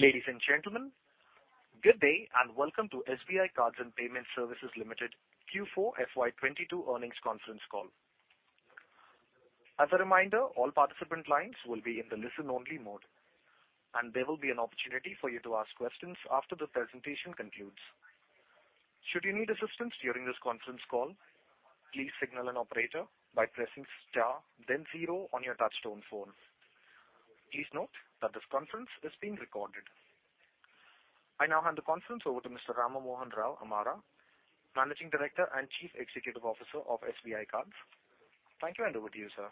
Ladies and gentlemen, good day and welcome to SBI Cards and Payment Services Limited Q4 FY 2022 Earnings Conference Call. As a reminder, all participant lines will be in the listen-only mode, and there will be an opportunity for you to ask questions after the presentation concludes. Should you need assistance during this conference call, please signal an operator by pressing star then zero on your touchtone phone. Please note that this conference is being recorded. I now hand the conference over to Mr. Rama Mohan Rao Amara, Managing Director and Chief Executive Officer of SBI Cards. Thank you, and over to you, sir.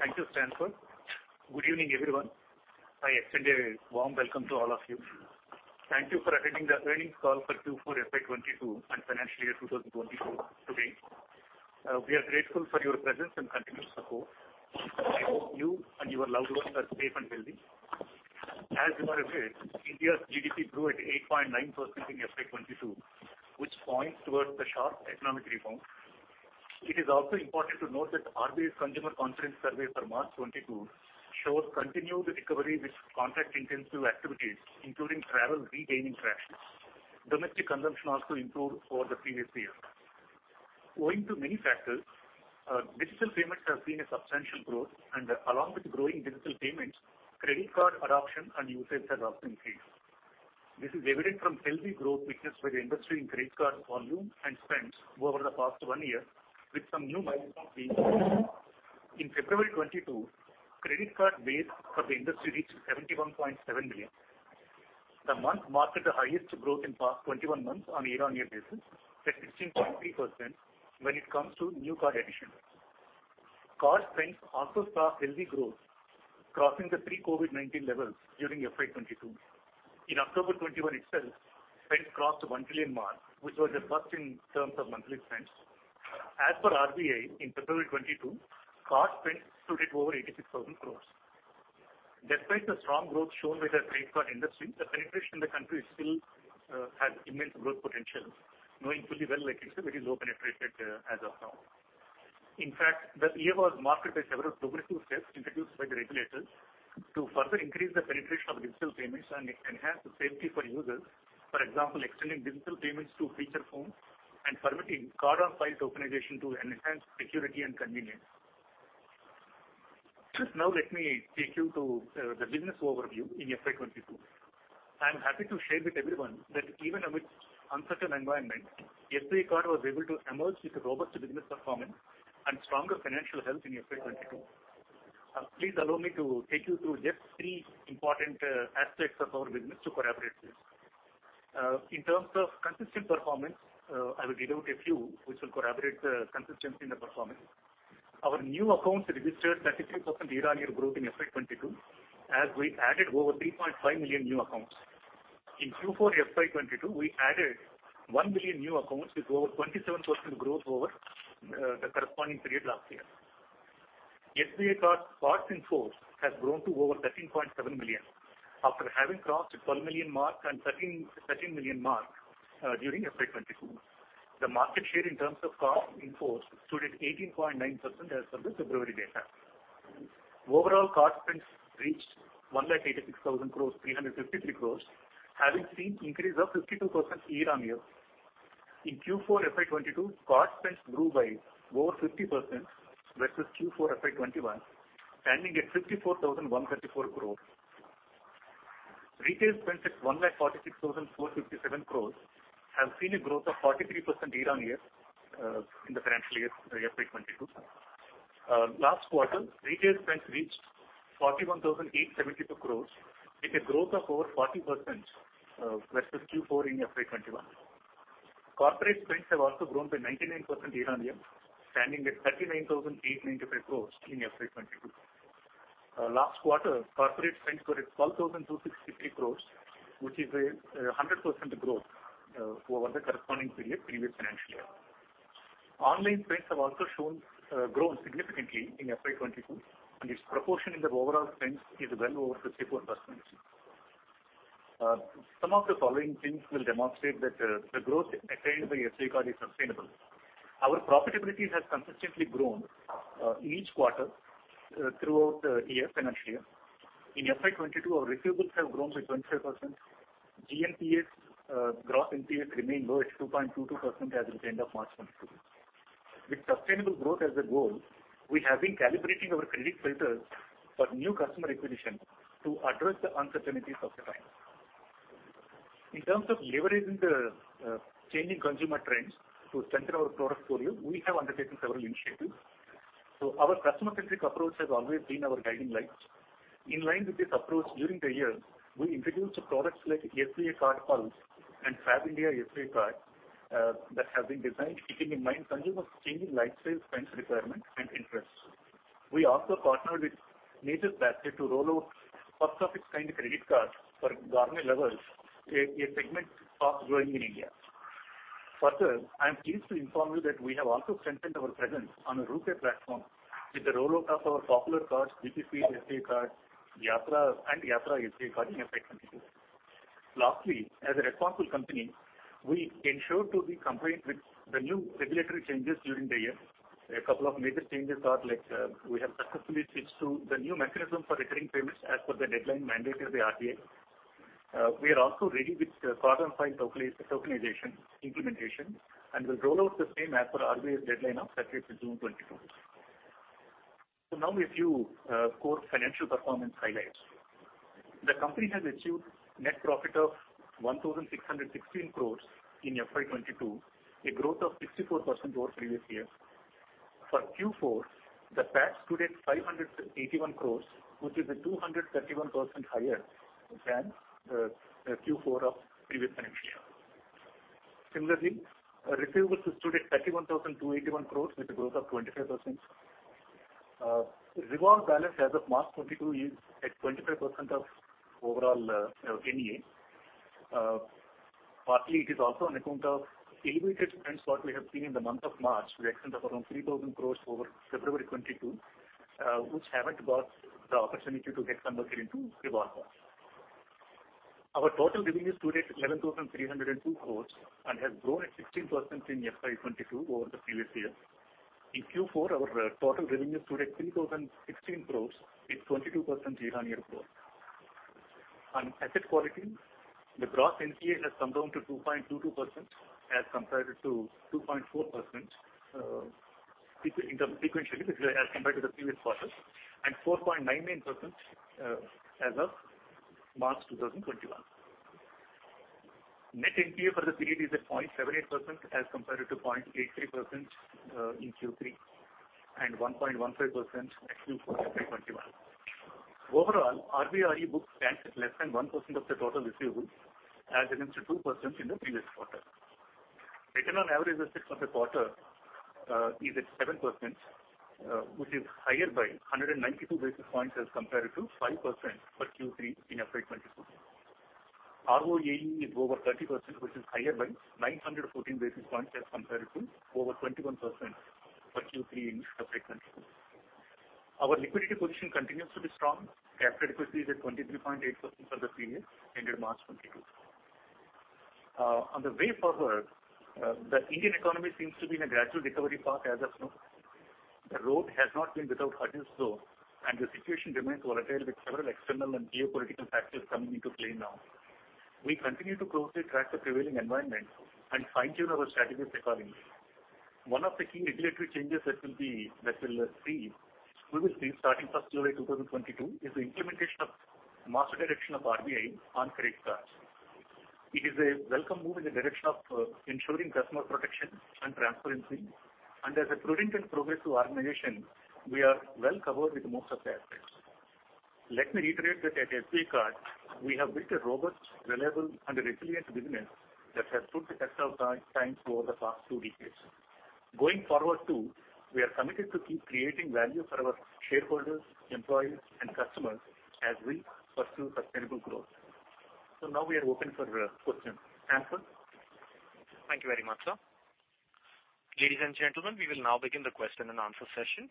Thank you, Stanford. Good evening, everyone. I extend a warm welcome to all of you. Thank you for attending the earnings call for Q4 FY 2022 and financial year 2022 today. We are grateful for your presence and continued support. I hope you and your loved ones are safe and healthy. As you are aware, India's GDP grew at 8.9% in FY 2022, which points towards the sharp economic rebound. It is also important to note that RBI's consumer confidence survey for March 2022 shows continued recovery with contact-intensive activities, including travel regaining traction. Domestic consumption also improved over the previous year. Owing to many factors, digital payments have seen a substantial growth, and along with growing digital payments, credit card adoption and usage has also increased. This is evident from healthy growth witnessed by the industry in credit card volume and spends over the past one year with some new milestones being. In February 2022, credit card base for the industry reached 71.7 million. The month marked the highest growth in past 21 months on a year-on-year basis at 16.3% when it comes to new card additions. Card spends also saw healthy growth, crossing the pre-COVID-19 levels during FY 2022. In October 2021 itself, spends crossed 1 trillion mark, which was a first in terms of monthly spends. As per RBI, in February 2022, card spends stood at over 86,000 crore. Despite the strong growth shown by the credit card industry, the penetration in the country still has immense growth potential, knowing fully well that it is a very low penetration as of now. In fact, the year was marked by several progressive steps introduced by the regulators to further increase the penetration of digital payments and enhance the safety for users. For example, extending digital payments to feature phones and permitting card-on-file tokenization to enhance security and convenience. Just now, let me take you to the business overview in FY 2022. I am happy to share with everyone that even amidst uncertain environment, SBI Card was able to emerge with a robust business performance and stronger financial health in FY 2022. Please allow me to take you through just three important aspects of our business to corroborate this. In terms of consistent performance, I will read out a few which will corroborate the consistency in the performance. Our new accounts registered 33% year-on-year growth in FY 2022 as we added over 3.5 million new accounts. In Q4 FY 2022, we added 1 million new accounts with over 27% growth over the corresponding period last year. SBI Card cards in force has grown to over 13.7 million after having crossed the 12 million mark and 13 million mark during FY 2022. The market share in terms of cards in force stood at 18.9% as per the February data. Overall card spends reached 186,353 crore, having seen increase of 52% year-on-year. In Q4 FY 2022, card spends grew by over 50% versus Q4 FY 2021, standing at 54,134 crore. Retail spends at 146,457 crore have seen a growth of 43% year-on-year in the financial year FY 2022. Last quarter, retail spends reached 41,872 crores rupees with a growth of over 40% versus Q4 in FY 2021. Corporate spends have also grown by 99% year-on-year, standing at 39,895 crores in FY 2022. Last quarter, corporate spends were at 12,263 crores, which is 100% growth over the corresponding period previous financial year. Online spends have also shown grown significantly in FY 2022, and its proportion in the overall spends is well over 54%. Some of the following things will demonstrate that the growth attained by SBI Card is sustainable. Our profitability has consistently grown each quarter throughout the year, financial year. In FY 2022, our receivables have grown by 25%. GNPA, gross NPAs remain low at 2.22% as of the end of March 2022. With sustainable growth as a goal, we have been calibrating our credit filters for new customer acquisition to address the uncertainties of the times. In terms of leveraging the changing consumer trends to center our product portfolio, we have undertaken several initiatives. Our customer-centric approach has always been our guiding light. In line with this approach, during the year, we introduced products like SBI Card PULSE and Fabindia SBI Card that have been designed keeping in mind consumers' changing lifestyles, spends requirements and interests. We also partnered with Nature's Basket to roll out first of its kind credit card for gourmet lovers, a segment fast growing in India. Further, I am pleased to inform you that we have also strengthened our presence on the RuPay platform with the rollout of our popular cards, BPCL SBI Card, Yatra and Yatra SBI Card in FY 2022. Lastly, as a responsible company, we ensure to be compliant with the new regulatory changes during the year. A couple of major changes are like, we have successfully switched to the new mechanism for recurring payments as per the deadline mandated by RBI. We are also ready with the card-on-file tokenization implementation and will roll out the same as per RBI's deadline of June 30th 2022. Now a few core financial perforance highlights. The company has achieved net profit of 1,616 crores in FY 2022, a growth of 64% over previous year. For Q4, the PAT stood at 581 crores, which is 231% higher than the Q4 of previous financial year. Similarly, receivables stood at 31,281 crores with a growth of 25%. Revolve balance as of March 2022 is at 25% of overall NEA. Partly it is also on account of elevated trends what we have seen in the month of March to the extent of around 3,000 crores over February 2022, which haven't got the opportunity to get converted into revolver. Our total revenues stood at 11,302 crores and has grown at 16% in FY 2022 over the previous year. In Q4, our total revenues stood at 3,016 crores, a 22% year-on-year growth. On asset quality, the gross NPA has come down to 2.22% as compared to 2.4% sequentially as compared to the previous quarter and 4.99% as of March 2021. Net NPA for the period is at 0.78% as compared to 0.83% in Q3 and 1.15% at Q4 of FY 2021. Overall, RBI RE book stands at less than 1% of the total receivables as against 2% in the previous quarter. Write-off to average as six-month quarter is at 7%, which is higher by 192 basis points as compared to 5% for Q3 in FY 2022. ROAE is over 30%, which is higher by 914 basis points as compared to over 21% for Q3 in FY 2021. Our liquidity position continues to be strong. Capital adequacy is at 23.8% for the period ending March 2022. On the way forward, the Indian economy seems to be in a gradual recovery path as of now. The road has not been without hurdles, though, and the situation remains volatile with several external and geopolitical factors coming into play now. We continue to closely track the prevailing environment and fine-tune our strategies accordingly. One of the key regulatory changes that we'll see starting July 1st, 2022 is the implementation of Master Direction of RBI on credit cards. It is a welcome move in the direction of ensuring customer protection and transparency, and as a prudent and progressive organization, we are well covered with most of the aspects. Let me reiterate that at SBI Card, we have built a robust, reliable and a resilient business that has stood the test of time over the past two decades. Going forward too, we are committed to keep creating value for our shareholders, employees and customers as we pursue sustainable growth. Now we are open for questions. Hansel? Thank you very much, sir. Ladies and gentlemen, we will now begin the question and answer session.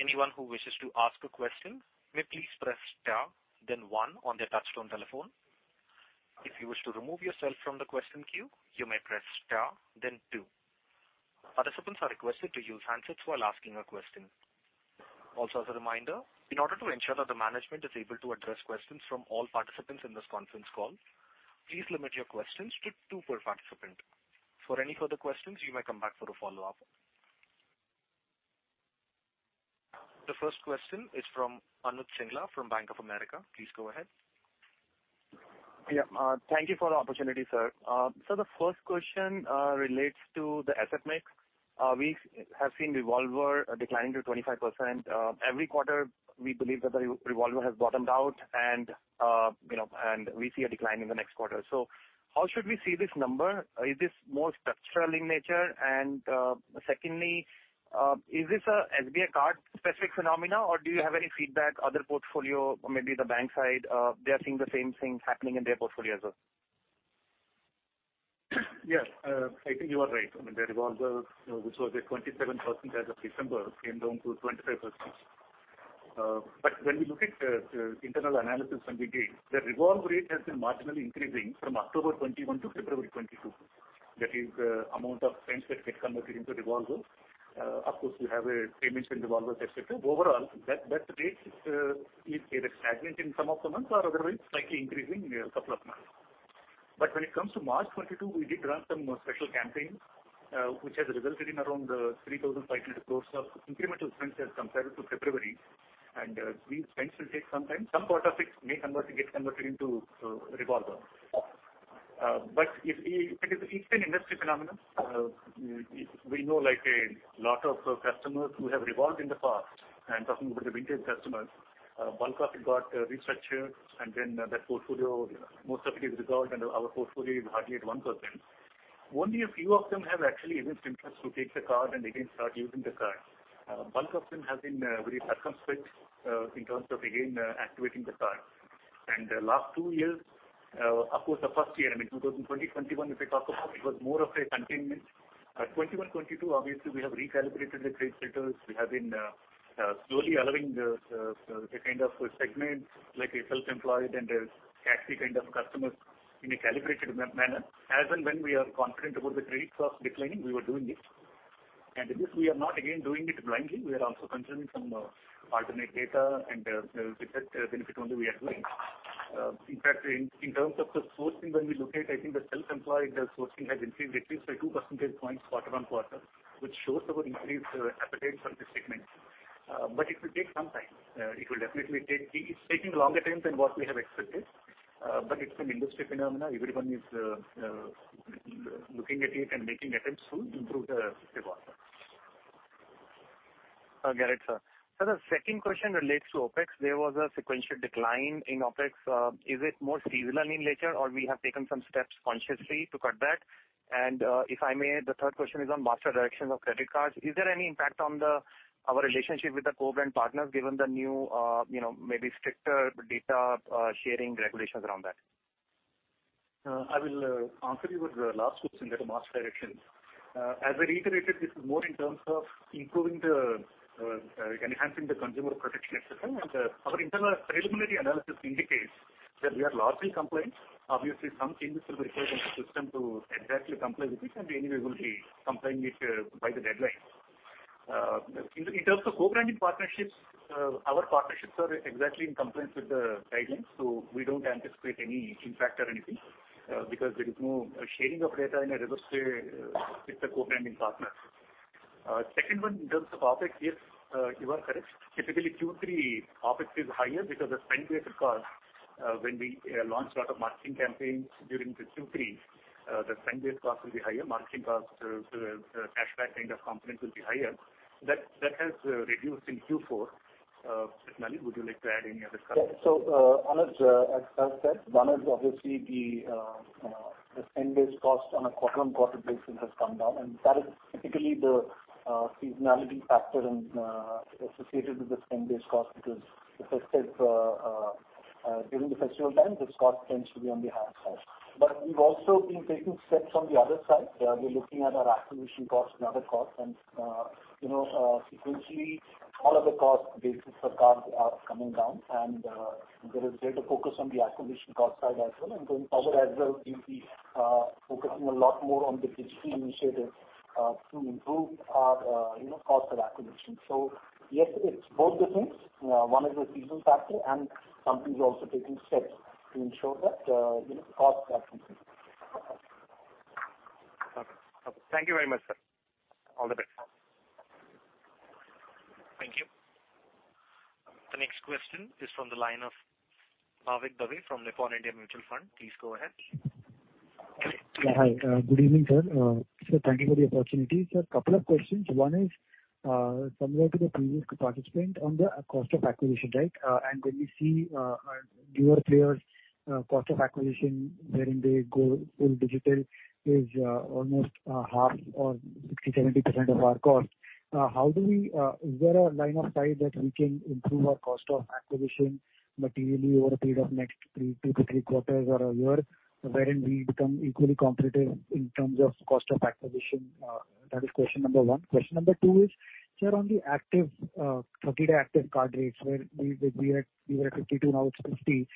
Anyone who wishes to ask a question may please press star then one on their touchtone telephone. If you wish to remove yourself from the question queue, you may press star then two. Participants are requested to use handsets while asking a question. Also as a reminder, in order to ensure that the management is able to address questions from all participants in this conference call, please limit your questions to two per participant. For any further questions, you may come back for a follow-up. The first question is from Anuj Singla from Bank of America. Please go ahead. Yeah. Thank you for the opportunity, sir. The first question relates to the asset mix. We have seen revolver declining to 25%. Every quarter, we believe that the revolver has bottomed out and, you know, and we see a decline in the next quarter. How should we see this number? Is this more structural in nature? Secondly, is this a SBI Card specific phenomenon, or do you have any feedback, other portfolio or maybe the bank side, they are seeing the same thing happening in their portfolio as well? Yes, I think you are right. I mean, the revolvers, you know, which was at 27% as of December, came down to 25%. When we look at internal analysis, the revolve rate has been marginally increasing from October 2021 to February 2022. That is, amount of spends that get converted into revolvers. Of course, we have payments in revolvers, et cetera. Overall, that rate is either stagnant in some of the months or otherwise slightly increasing in a couple of months. When it comes to March 2022, we did run some special campaigns, which has resulted in around 3,500 crores of incremental spends as compared to February. These spends will take some time. Some part of it may get converted into revolver. It's an industry phenomenon. We know like a lot of customers who have revolved in the past, I'm talking about the vintage customers, bulk of it got restructured and then the portfolio, most of it is revolved and our portfolio is hardly at 1%. Only a few of them have actually renewed interest to take the card and again start using the card. Bulk of them have been very circumspect in terms of again activating the card. The last two years, of course, the first year, I mean, 2020, 2021, if we talk about, it was more of a containment. 2021, 2022, obviously, we have recalibrated the trade filters. We have been slowly allowing the kind of segments like a self-employed and a taxi kind of customers in a calibrated manner. As and when we are confident about the CRED cost declining, we were doing it. In this, we are not again doing it blindly. We are also considering some alternative data and with that benefit only we are doing. In fact, in terms of the sourcing when we look at, I think the self-employed, the sourcing has increased at least by 2 percentage points quarter-on-quarter, which shows our increased appetite for this segment. But it will take some time. It will definitely take. It's taking longer time than what we have expected, but it's an industry phenomenon. Everyone is looking at it and making attempts to improve the revolver. I get it, sir. The second question relates to OpEx. There was a sequential decline in OpEx. Is it more seasonal in nature or we have taken some steps consciously to cut back? If I may, the third question is on Master Directions on credit cards. Is there any impact on our relationship with the co-brand partners given the new, you know, maybe stricter data sharing regulations around that? I will answer you with the last question, the Master Directions. As we reiterated, this is more in terms of enhancing the consumer protection, et cetera. Our internal preliminary analysis indicates that we are largely compliant. Obviously, some changes will be required in the system to exactly comply with it, and we anyway will be complying it by the deadline. In terms of co-branding partnerships, our partnerships are exactly in compliance with the guidelines, so we don't anticipate any impact or anything because there is no sharing of data in a reverse way with the co-branding partners. Second one, in terms of OpEx, yes, you are correct. Typically Q3 OpEx is higher because the spend-based costs, when we launch a lot of marketing campaigns during the Q3, the spend-based cost will be higher. Marketing costs, cashback kind of components will be higher. That has reduced in Q4. Nalin, would you like to add any other comments? Yeah. Anuj, as said, one is obviously the spend-based cost on a quarter-on-quarter basis has come down, and that is typically the seasonality factor and associated with the spend-based cost because as I said, during the festival time, this cost tends to be on the higher side. We've also been taking steps on the other side. We're looking at our acquisition costs and other costs and, you know, sequentially all other costs basis for cards are coming down and there is greater focus on the acquisition cost side as well. Then other as well, we'll be focusing a lot more on the digital initiatives to improve our, you know, cost of acquisition. Yes, it's both the things. One is the seasonal factor and companies are also taking steps to ensure that, you know, the costs are controlled. Okay. Thank you very much, sir. All the best. Thank you. The next question is from the line of Bhavik Dave from Nippon India Mutual Fund. Please go ahead. Yeah. Hi. Good evening, sir. Thank you for the opportunity. Couple of questions. One is similar to the previous participant on the cost of acquisition, right? When we see newer players, cost of acquisition wherein they go full digital is almost half or 60%-70% of our cost. Is there a line of sight that we can improve our cost of acquisition materially over a period of next two-three quarters or a year wherein we become equally competitive in terms of cost of acquisition? That is question number one. Question number two is, sir, on the active 30-day active card rates where we were at 52, now it's 50.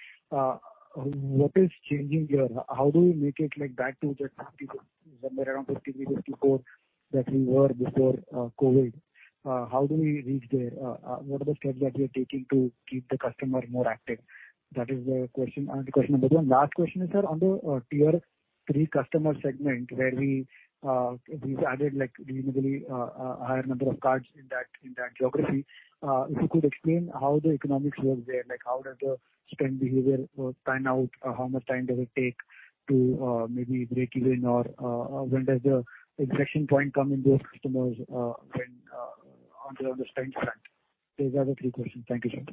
What is changing here? How do we make it like back to just 50% somewhere around 50%-54% that we were before COVID? How do we reach there? What are the steps that we are taking to keep the customer more active? That is the question number one. Last question is, sir, on the Tier 3 customer segment where we've added like reasonably higher number of cards in that geography. If you could explain how the economics work there, like how does the spend behavior pan out? How much time does it take to maybe break even or when does the inflection point come in those customers when on the spend front? These are the three questions. Thank you,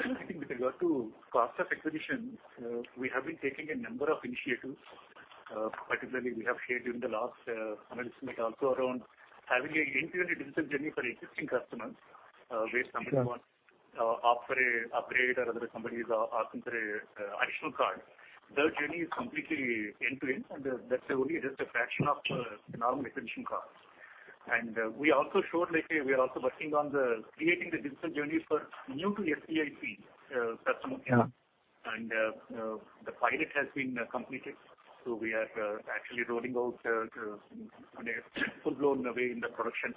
sir. I think with regard to cost of acquisition, we have been taking a number of initiatives. Particularly we have shared during the last analyst meet also around having an end-to-end digital journey for existing customers, where somebody wants to opt for an upgrade or whether somebody is asking for an additional card. Their journey is completely end-to-end, and that's only just a fraction of the normal acquisition costs. We also showed lately we are also working on creating the digital journey for new to SBIC customers. Yeah. The pilot has been completed. We are actually rolling out on a full-blown way in the production.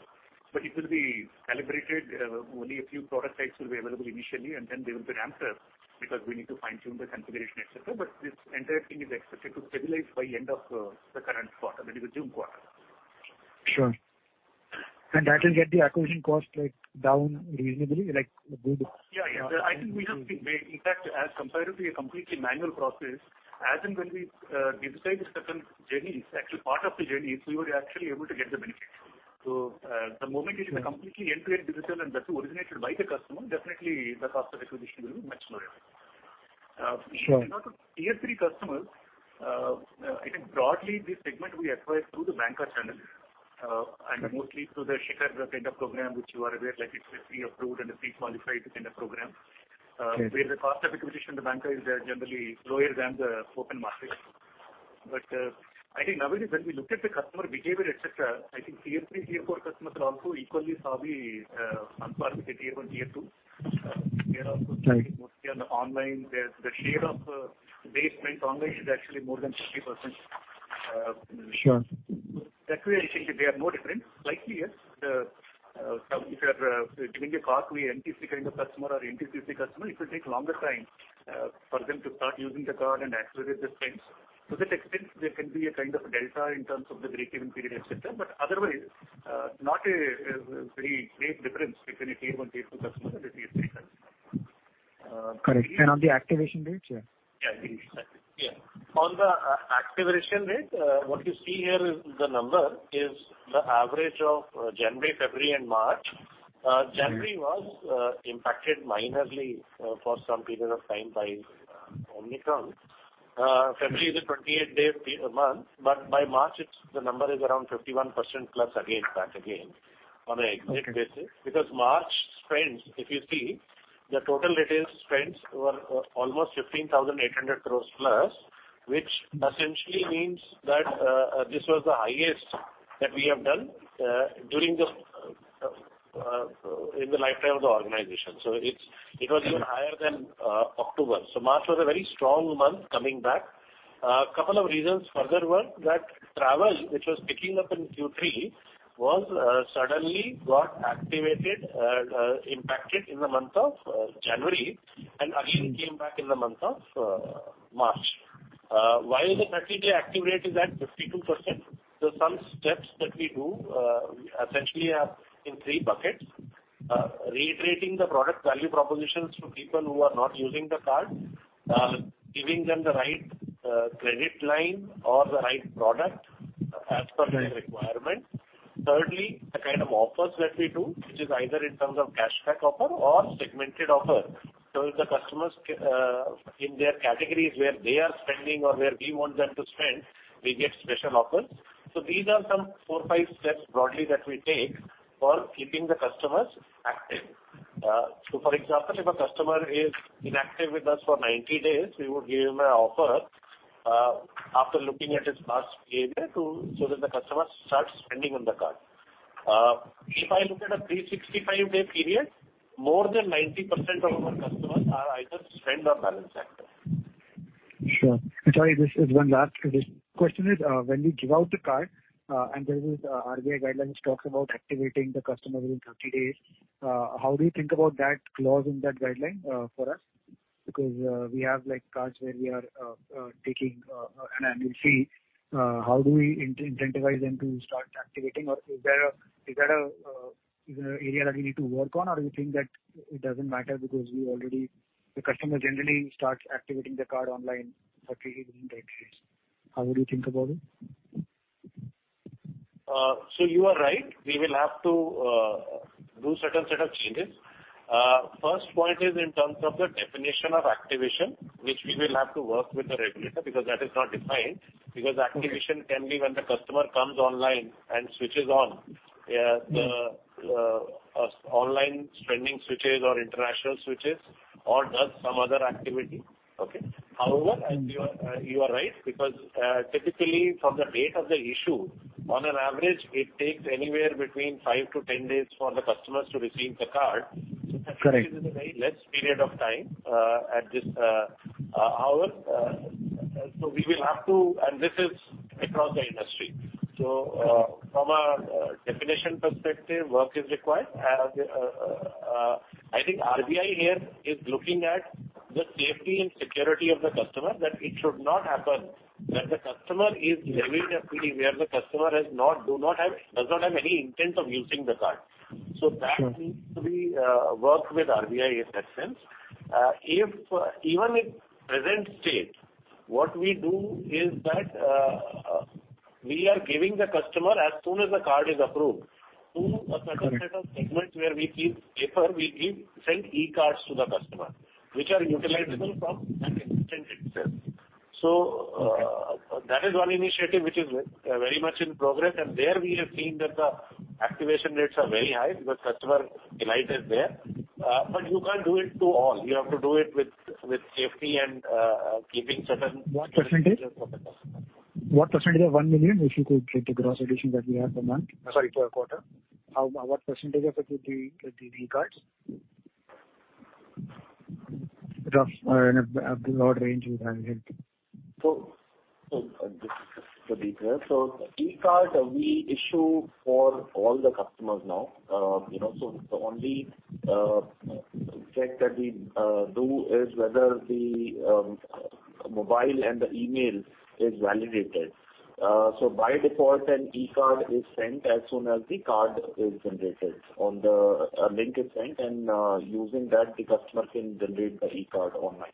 It will be calibrated. Only a few product types will be available initially, and then they will be ramped up because we need to fine-tune the configuration, et cetera. This entire thing is expected to stabilize by end of the current quarter, that is the June quarter. Sure. That will get the acquisition cost, like, down reasonably, like good? I think we have been. In fact, as compared to a completely manual process, as and when we digitize certain journeys, actually part of the journey, we were actually able to get the benefit. The moment it is a completely end-to-end digital and that's originated by the customer, definitely the cost of acquisition will be much lower. Sure. For Tier 3 customers, I think broadly this segment we acquired through the banker channel, and mostly through the Shikhar kind of program, which you are aware, like it's a pre-approved and a pre-qualified kind of program. Okay. Where the cost of acquisition of the banker is generally lower than the open market. I think now when we look at the customer behavior, et cetera, I think Tier 3, Tier4 customers are also equally savvy as far as the Tier 1, Tier 2. Right. They are also trying it mostly online. The share of SBI online is actually more than 50%. Sure. That way, I think they are no different. Slightly, yes. If you are giving a card to a NTC kind of customer or NTC customer, it will take longer time for them to start using the card and accelerate the spends. To that extent, there can be a kind of a delta in terms of the break-even period, et cetera. Otherwise, not a very great difference between a Tier 1, Tier 2 customer and a Tier 3 customer. Correct. On the activation rates, yeah? Yeah. On the activation rate, what you see here is the number is the average of January, February and March. January was impacted minorly for some period of time by Omicron. February is a 28-day month, but by March it's the number is around 51%+ again, back again on a exit basis. Because March spends, if you see, the total retail spends were almost 15,800 crores+, which essentially means that in the lifetime of the organization. It was even higher than October. March was a very strong month coming back. A couple of reasons for that were that travel, which was picking up in Q3, was suddenly impacted in the month of January and again came back in the month of March. Why the 30-day active rate is at 52%? There are some steps that we do essentially in three buckets. Reiterating the product value propositions to people who are not using the card. Giving them the right credit line or the right product as per their requirement. Thirdly, the kind of offers that we do, which is either in terms of cashback offer or segmented offer. If the customers in their categories where they are spending or where we want them to spend, they get special offers. These are some four or five steps broadly that we take for keeping the customers active. For example, if a customer is inactive with us for 90 days, we would give him an offer after looking at his past behavior so that the customer starts spending on the card. If I look at a 365-day period, more than 90% of our customers are either spend or balance active. Sure. Sorry, just one last question. Question is, when we give out the card, and there is RBI guidelines talks about activating the customer within 30 days, how do you think about that clause in that guideline, for us? Because, we have like cards where we are taking an annual fee. How do we incentivize them to start activating? Or is there a, you know, area that we need to work on? Or do you think that it doesn't matter because the customer generally starts activating the card online particularly within 30 days. How would you think about it? You are right. We will have to do certain set of changes. First point is in terms of the definition of activation, which we will have to work with the regulator, because that is not defined. Because activation can be when the customer comes online and switches on the online spending switches or international switches or does some other activity. However, you are right, because typically from the date of the issue, on an average, it takes anywhere between five-10 days for the customers to receive the card. Correct. Which is a very less period of time at this hour. This is across the industry. From a definition perspective, work is required. I think RBI here is looking at the safety and security of the customer, that it should not happen that the customer is levied a fee where the customer does not have any intent of using the card. Sure. That needs to be worked with RBI in that sense. Even in present state, what we do is that we are giving the customer, as soon as the card is approved, to a certain set of segments where we send e-cards to the customer, which are utilizable from that instant itself. That is one initiative which is very much in progress. There we have seen that the activation rates are very high because customer delight is there. You can't do it to all. You have to do it with safety and keeping certain. What percentage? What percentage of 1 million, if you could, the gross additions that we have a month? Sorry, for a quarter. What percentage of it would be the e-cards? Rough or in a broad range would have helped. Just the detail. E-card we issue for all the customers now. You know, the only check that we do is whether the mobile and the email is validated. By default an e-card is sent as soon as the card is generated. A link is sent and, using that the customer can generate the e-card online.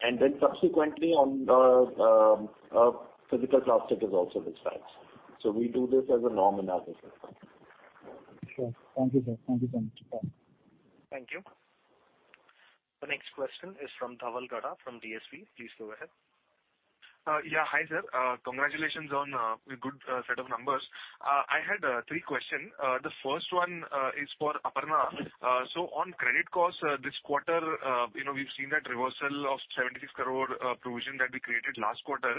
Then subsequently the physical plastic is also dispatched. We do this as a norm in our system. Sure. Thank you, sir. Thank you so much. Bye. Thank you. Next question is from Dhaval Gada from DSP. Please go ahead. Yeah. Hi, sir. Congratulations on a good set of numbers. I had three questions. The first one is for Aparna. So on credit costs, this quarter, you know, we've seen that reversal of 76 crore provision that we created last quarter.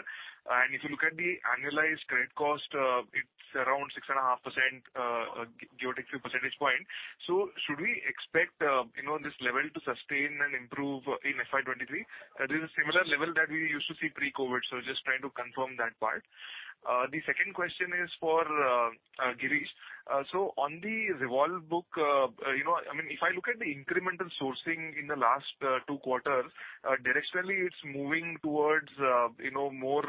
If you look at the annualized credit cost, it's around 6.5%, give or take few percentage points. Should we expect, you know, this level to sustain and improve in FY 2023? That is a similar level that we used to see pre-COVID. Just trying to confirm that part. The second question is for Girish. On the revolve book, you know, I mean, if I look at the incremental sourcing in the last two quarters, directionally it's moving towards, you know, more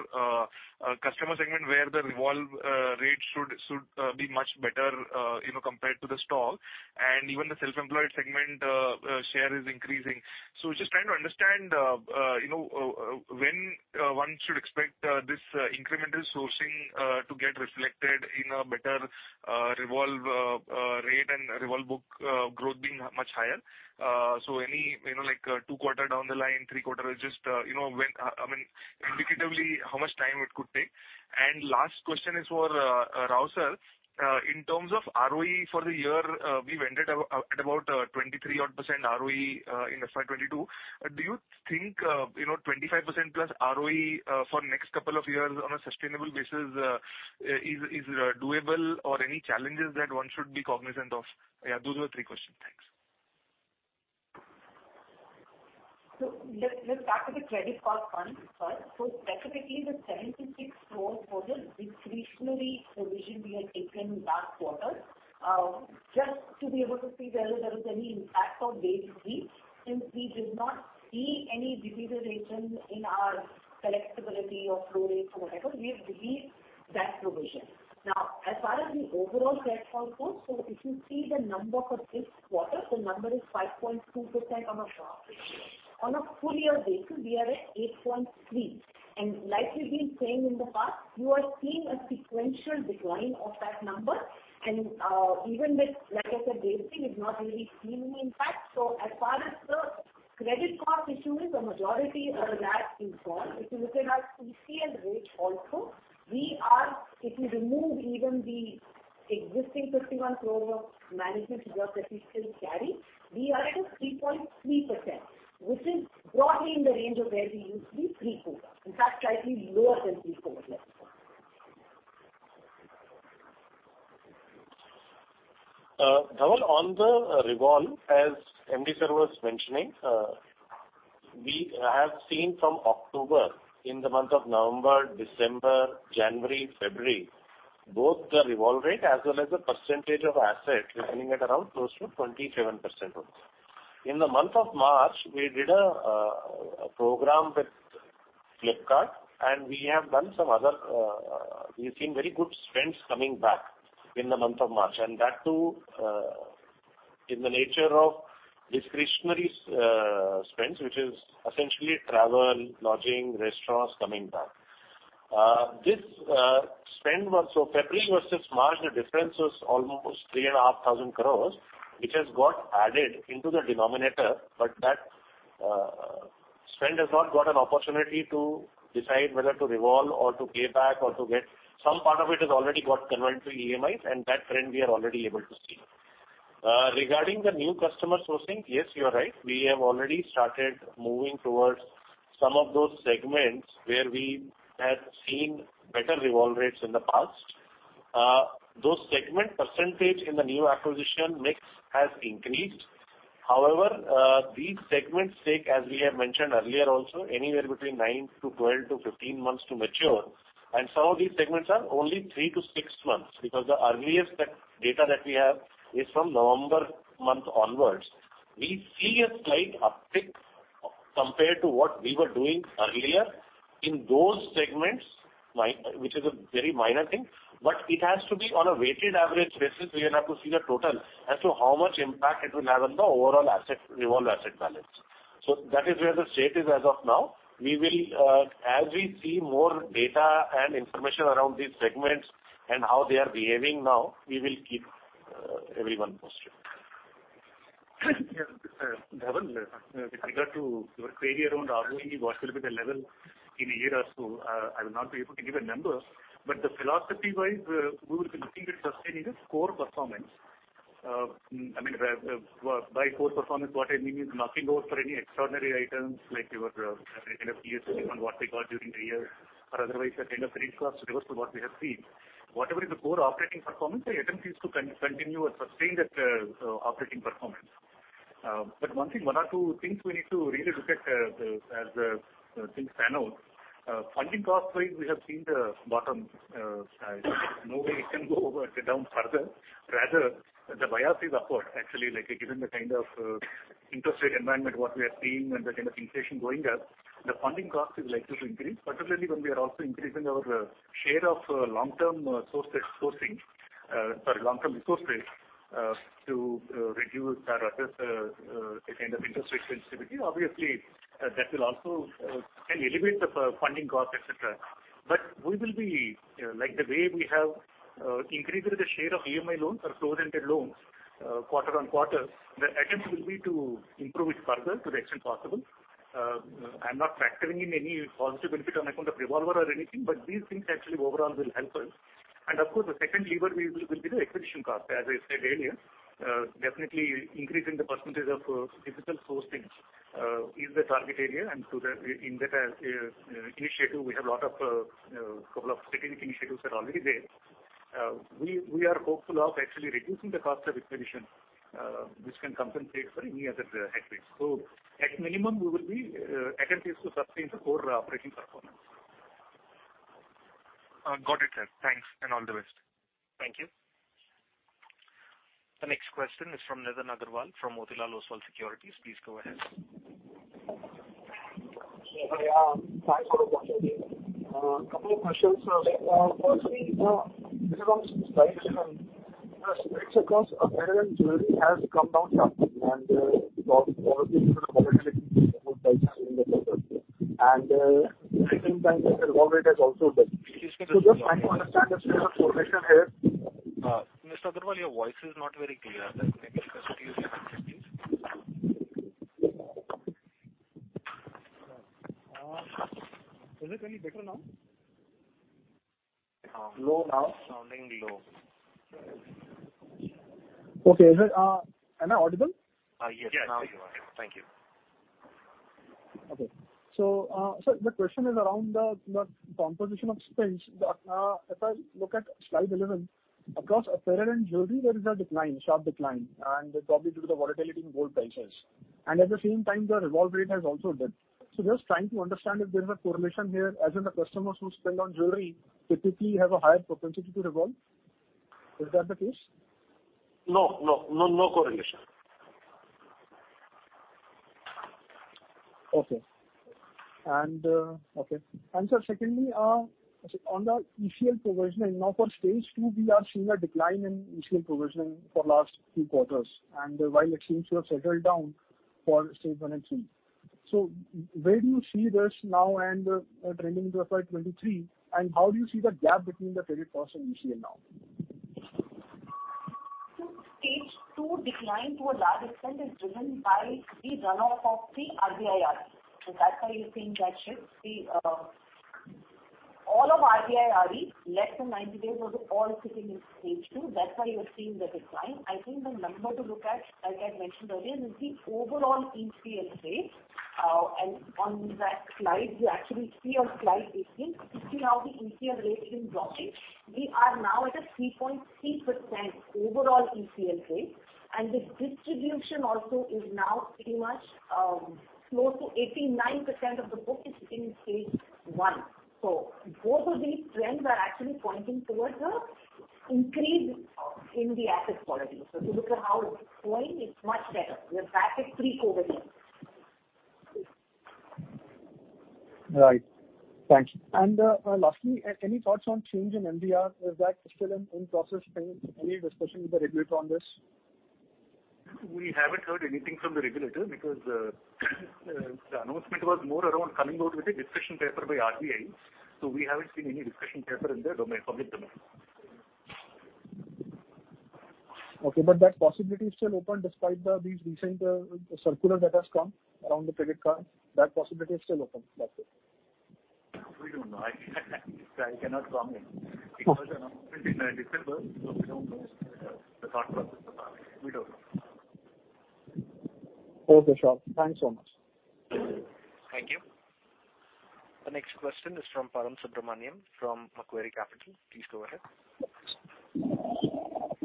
customer segment where the revolve rate should be much better, you know, compared to the salaried and even the self-employed segment share is increasing. Just trying to understand, you know, when one should expect this incremental sourcing to get reflected in a better revolve rate and revolve book growth being much higher. Any, you know, like, two quarters down the line, three quarters is just, you know, when I mean, indicatively how much time it could take. Last question is for Rao sir. In terms of ROE for the year, we've ended at about 23 odd % ROE in FY 2022. Do you think, you know, 25%+ ROE for next couple of years on a sustainable basis is doable or any challenges that one should be cognizant of? Yeah, those are the three questions. Thanks. Let's start with the credit cost one first. Specifically the Now, as far as the overall credit cost goes, if you see the number for this quarter, the number is 5.2% on a Dhaval, on the revolve, as MD sir was mentioning, we have seen from October, in the month of November, December, January, February, both the revolve rate as well as the percentage of assets landing at around close to 27% also. In the month of March, we did a program with Flipkart, and we have done some other. We've seen very good spends coming back in the month of March, and that too, in the nature of discretionary spends, which is essentially travel, lodging, restaurants coming back. This spend was. February versus March, the difference was almost 3,500 crore, which has got added into the denominator, but that spend has not got an opportunity to decide whether to revolve or to pay back or to get. Some part of it has already got converted to EMIs, and that trend we are already able to see. Regarding the new customer sourcing, yes, you are right. We have already started moving towards some of those segments where we have seen better revolve rates in the past. Those segment percentage in the new acquisition mix has increased. However, these segments take, as we have mentioned earlier also, anywhere between nine to 12 to 15 months to mature, and some of these segments are only 3 to 6 months because the earliest that data that we have is from November month onwards. We see a slight uptick compared to what we were doing earlier in those segments, which is a very minor thing, but it has to be on a weighted average basis. We will have to see the total as to how much impact it will have on the overall asset, revolve asset balance. That is where the state is as of now. We will, as we see more data and information around these segments and how they are behaving now, we will keep, everyone posted. Yes, Dhaval, with regard to your query around ROE, what will be the level in a year or so? I will not be able to give a number, but the philosophy-wise, we will be looking at sustaining the core performance. I mean, by core performance, what I mean is knocking off for any extraordinary items like your, kind of PSLC on what we got during the year or otherwise that kind of trade cost reverse to what we have seen. Whatever is the core operating performance, the attempt is to continue or sustain that operating performance. One or two things we need to really look at as things pan out. Funding cost-wise, we have seen the bottom. No way it can go down further. Rather, the bias is upward actually, like given the kind of interest rate environment what we are seeing and the kind of inflation going up, the funding cost is likely to increase, particularly when we are also increasing our share of long-term sourcing, sorry, long-term resources to reduce or address a kind of interest rate sensitivity. Obviously, that will also can elevate the funding cost, et cetera. We will be like the way we have increased the share of EMI loans or closed-ended loans quarter-over-quarter. The attempt will be to improve it further to the extent possible. I'm not factoring in any positive benefit on account of revolver or anything, but these things actually overall will help us. Of course, the second lever we will be the acquisition cost. As I said earlier, definitely increasing the percentage of digital sourcing is the target area. To that, in that initiative, we have a couple of strategic initiatives that are already there. We are hopeful of actually reducing the cost of acquisition, which can compensate for any other headwinds. At minimum, we will be attempting to sustain the core operating performance. Got it, sir. Thanks, and all the best. Thank you. The next question is from Nitin Agarwal from Motilal Oswal Securities. Please go ahead. Yeah. Thanks for the opportunity. Couple of questions. Firstly, this is on slide 11. The spreads across apparel and jewelry has come down sharply and, probably due to the volatility in gold prices and, at the same time the revolve rate has also dipped. Just trying to understand if there's a correlation here. Mr. Agarwal, your voice is not very clear. Maybe just mute your mic please. Is it any better now? Low now. Sounding low. Okay. Am I audible? Yes, now you are. Thank you. Okay, sir, the question is around the composition of spends. If I look at slide 11, across apparel and jewelry, there is a decline, sharp decline, and probably due to the volatility in gold prices, and at the same time, the revolve rate has also dipped. Just trying to understand if there is a correlation here, as in the customers who spend on jewelry typically have a higher propensity to revolve. Is that the case? No, no. No, no correlation. Sir, secondly, on the ECL provisioning now for stage two, we are seeing a decline in ECL provisioning for last few quarters and while expense rates have settled down for stage one and two. Where do you see this now and trending for 2023 and how do you see the gap between the credit cost and ECL now? Stage two decline to a large extent is driven by the runoff of the RBI RE. That's why you're seeing that shift. The all of RBI RE less than 90 days was all sitting in stage two. That's why you're seeing the decline. I think the number to look at, as I mentioned earlier, is the overall ECL rate. On that slide you actually see on slide 18, you see how the ECL rate has been dropping. We are now at a 3.3% overall ECL rate, and the distribution also is now pretty much close to 89% of the book is sitting in stage one. Both of these trends are actually pointing towards a increase in the asset quality. If you look at how it's going, it's much better. We're back at pre-COVID here. Right. Thanks. Lastly, any thoughts on change in MDR? Is that still in process? Any discussion with the regulator on this? We haven't heard anything from the regulator because the announcement was more around coming out with a discussion paper by RBI. We haven't seen any discussion paper in the domain, public domain. Okay. That possibility is still open despite these recent circular that has come around the Credit card, that possibility is still open. That's it. We don't know. I cannot comment because the announcement is in December, so we don't know the thought process so far. We don't know. Okay, sure. Thanks so much. Thank you. Thank you. The next question is from Param Subramanian from Macquarie Capital. Please go ahead.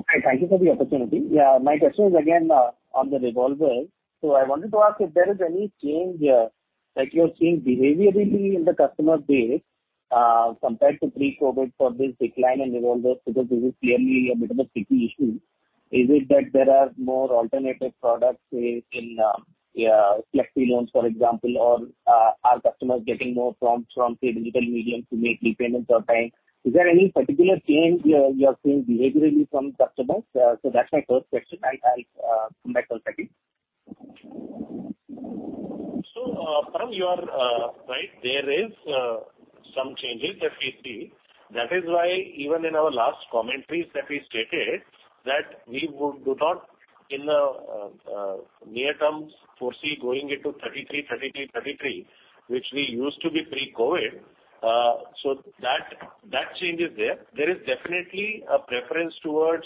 Hi. Thank you for the opportunity. Yeah, my question is again on the revolvers. I wanted to ask if there is any change that you are seeing behaviorally in the customer base compared to pre-COVID for this decline in revolvers, because this is clearly a bit of a city issue. Is it that there are more alternative products, say, in Flexi loans, for example, or are customers getting more prompts from, say, digital medium to make repayments on time? Is there any particular change you are seeing behaviorally from customers? That's my first question. I'll come back once again. Param, you are right, there is some changes that we see. That is why even in our last commentaries that we stated that we would do not in the near term foresee going into 33, which we used to be pre-COVID. That change is there. There is definitely a preference towards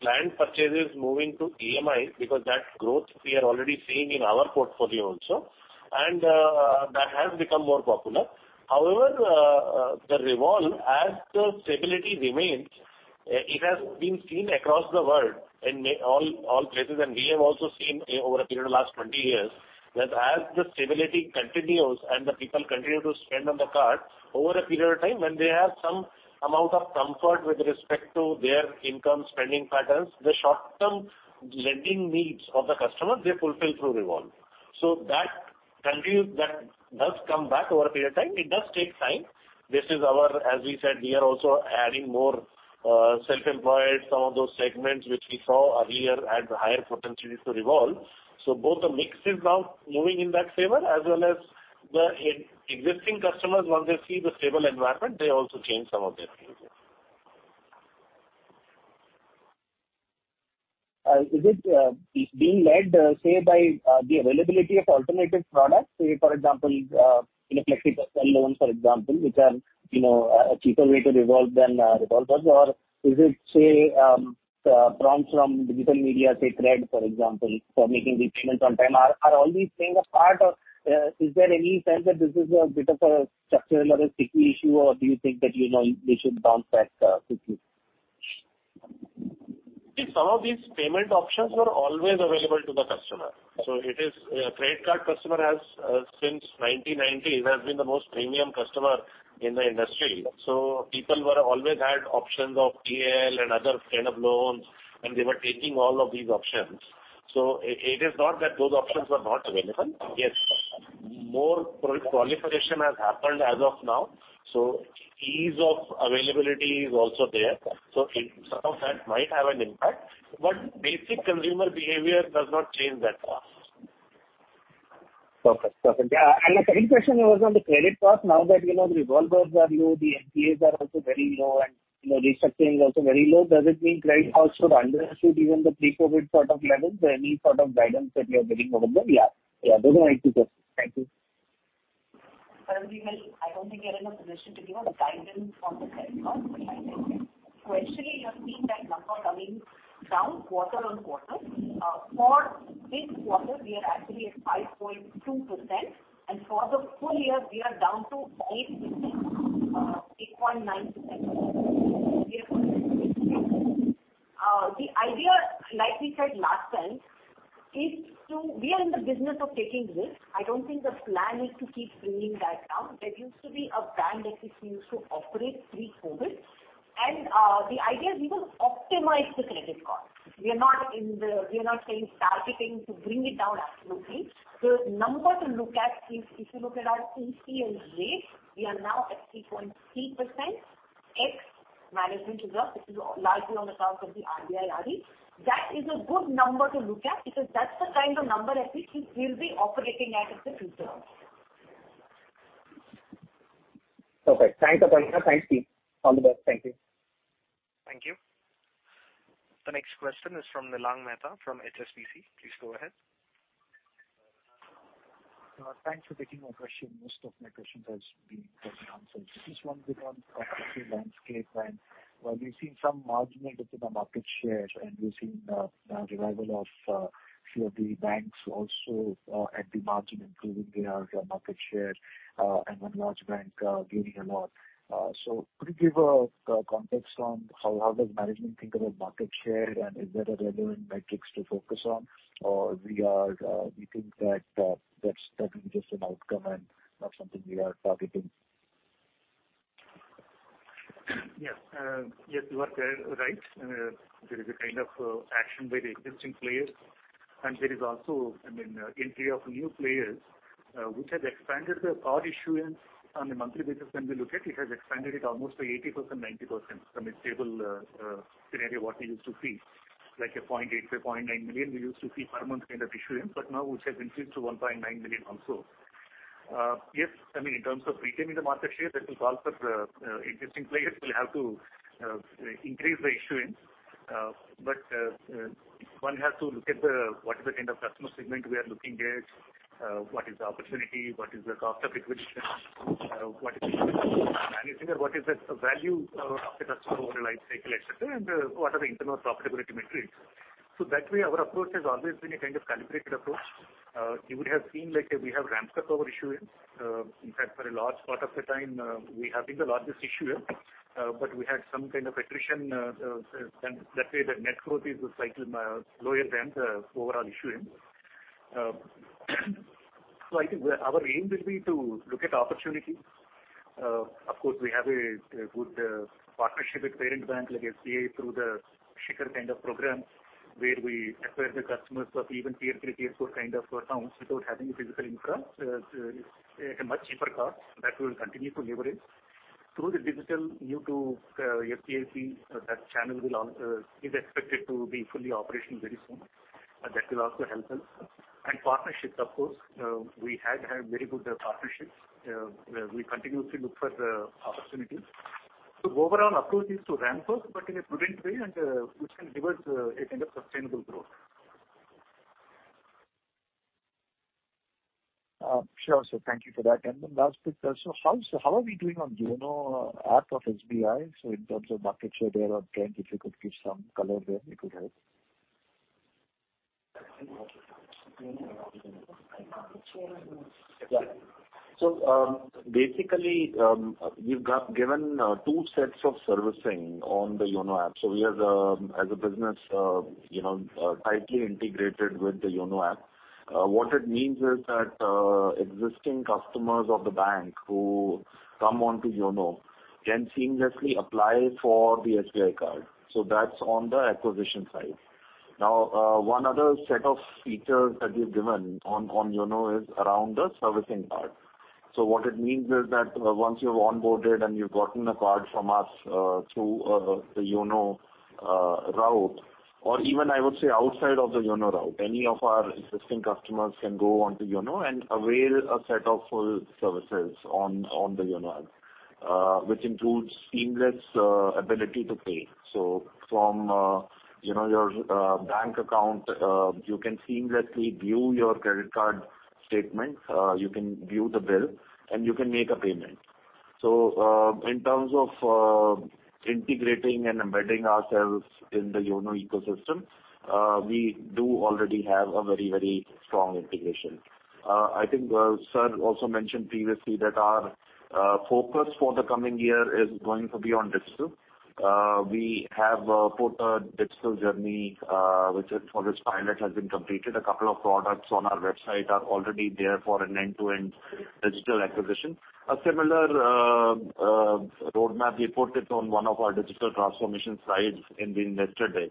planned purchases moving to EMI because that growth we are already seeing in our portfolio also, and that has become more popular. However, the revolve as the stability remains, it has been seen across the world in all places, and we have also seen over a period of last 20 years, that as the stability continues and the people continue to spend on the card over a period of time when they have some amount of comfort with respect to their income spending patterns, the short-term lending needs of the customers, they fulfill through revolve. So that continues. That does come back over a period of time. It does take time. This is our, as we said, we are also adding more self-employed. Some of those segments which we saw earlier had higher potentialities to revolve. So both the mix is now moving in that favor as well as the existing customers, once they see the stable environment, they also change some of their behavior. Is it being led, say, by the availability of alternative products? Say for example, you know, flexible term loans for example, which are, you know, a cheaper way to revolve than revolvers? Or is it, say, prompts from digital media, say CRED for example, for making the payments on time? Are all these things a part of? Is there any sense that this is a bit of a structural or a sticky issue or do you think that, you know, they should bounce back quickly? See, some of these payment options were always available to the customer. A Creit card customer has since 1990 been the most premium customer in the industry. People always had options of TL and other kind of loans, and they were taking all of these options. It is not that those options were not available. Yes, more proliferation has happened as of now. Ease of availability is also there. Some of that might have an impact, but basic consumer behavior does not change that fast. Perfect. The third question was on the Credit card. Now that, you know, the revolvers are low, the NPAs are also very low and, you know, restructuring is also very low, does it mean Credit card should undershoot even the pre-COVID sort of levels? Any sort of guidance that you are giving over there? Yeah, those are my two questions. Thank you. Sir, I don't think we are in a position to give a guidance on the Credit card right now. Actually you have seen that number coming down quarter-over-quarter. For this quarter we are actually at 5.2% and for the full year we are down to 8.9%. We are confident the idea, like we said last time, is to. We are in the business of taking risk. I don't think the plan is to keep bringing that down. There used to be a band at which we used to operate pre-COVID and the idea is we will optimize the Credit card. We are not saying targeting to bring it down absolutely. The number to look at is if you look at our ECL rate, we are now at 3.3%, ex management to drop, which is largely on account of the RBI RE. That is a good number to look at because that's the kind of number at which we'll be operating at in the future. Perfect. Thanks, Aparna. Thanks, team. All the best. Thank you. Thank you. The next question is from Nilang Mehta from HSBC. Please go ahead. Thanks for taking my question. Most of my questions has been answered. Just one quick one on competitive landscape and while we've seen some marginal dip in the market share and we've seen revival of few of the banks also at the margin improving their market share and one large bank gaining a lot. So could you give a context on how does management think about market share and is there a relevant metrics to focus on? Or we think that that's probably just an outcome and not something we are targeting. Yes. Yes, you are right. There is a kind of action by the existing players and there is also, I mean, entry of new players, which has expanded the card issuance on a monthly basis when we look at it, has expanded it almost by 80%, 90% from a stable scenario what we used to see. Like 0.8 million-0.9 million we used to see per month kind of issuance, but now which has increased to 1.9 million also. Yes, I mean, in terms of retaining the market share, that will call for existing players will have to increase the issuance. One has to look at the kind of customer segment we are looking at, what is the opportunity, what is the cost of acquisition, what is the managing and what is the value of the customer over lifecycle, et cetera, and what are the internal profitability metrics. That way our approach has always been a kind of calibrated approach. You would have seen like we have ramped up our issuance. In fact, for a large part of the time, we have been the largest issuer, but we had some kind of attrition. That way the net growth is slightly lower than the overall issuance. I think our aim will be to look at opportunities. Of course, we have a good partnership with parent bank like SBI through the Shikhar kind of program, where we acquire the customers of even tier three, tier four kind of towns without having a physical infra. At a much cheaper cost that we'll continue to leverage. Through the digital YONO SBI, that channel is expected to be fully operational very soon. That will also help us. Partnerships of course. We had very good partnerships where we continuously look for the opportunities. Overall approach is to ramp up but in a prudent way and which can give us a kind of sustainable growth. Sure, sir. Thank you for that. Last bit, so how are we doing on YONO app of SBI? In terms of market share there or trend, if you could give some color there, it would help. Yeah. Basically, we've got given two sets of servicing on the YONO app. We are, as a business, you know, tightly integrated with the YONO app. What it means is that existing customers of the bank who come onto YONO can seamlessly apply for the SBI Card. That's on the acquisition side. Now, one other set of features that we've given on YONO is around the servicing part. What it means is that once you've onboarded and you've gotten a card from us through the YONO route, or even, I would say, outside of the YONO route, any of our existing customers can go onto YONO and avail a set of full services on the YONO app, which includes seamless ability to pay. From you know your bank account you can seamlessly view your CRED card statement, you can view the bill and you can make a payment. In terms of integrating and embedding ourselves in the YONO ecosystem, we do already have a very, very strong integration. I think sir also mentioned previously that our focus for the coming year is going to be on digital. We have put a digital journey, for which pilot has been completed. A couple of products on our website are already there for an end-to-end digital acquisition. A similar roadmap we put it on one of our digital transformation slides in the investor day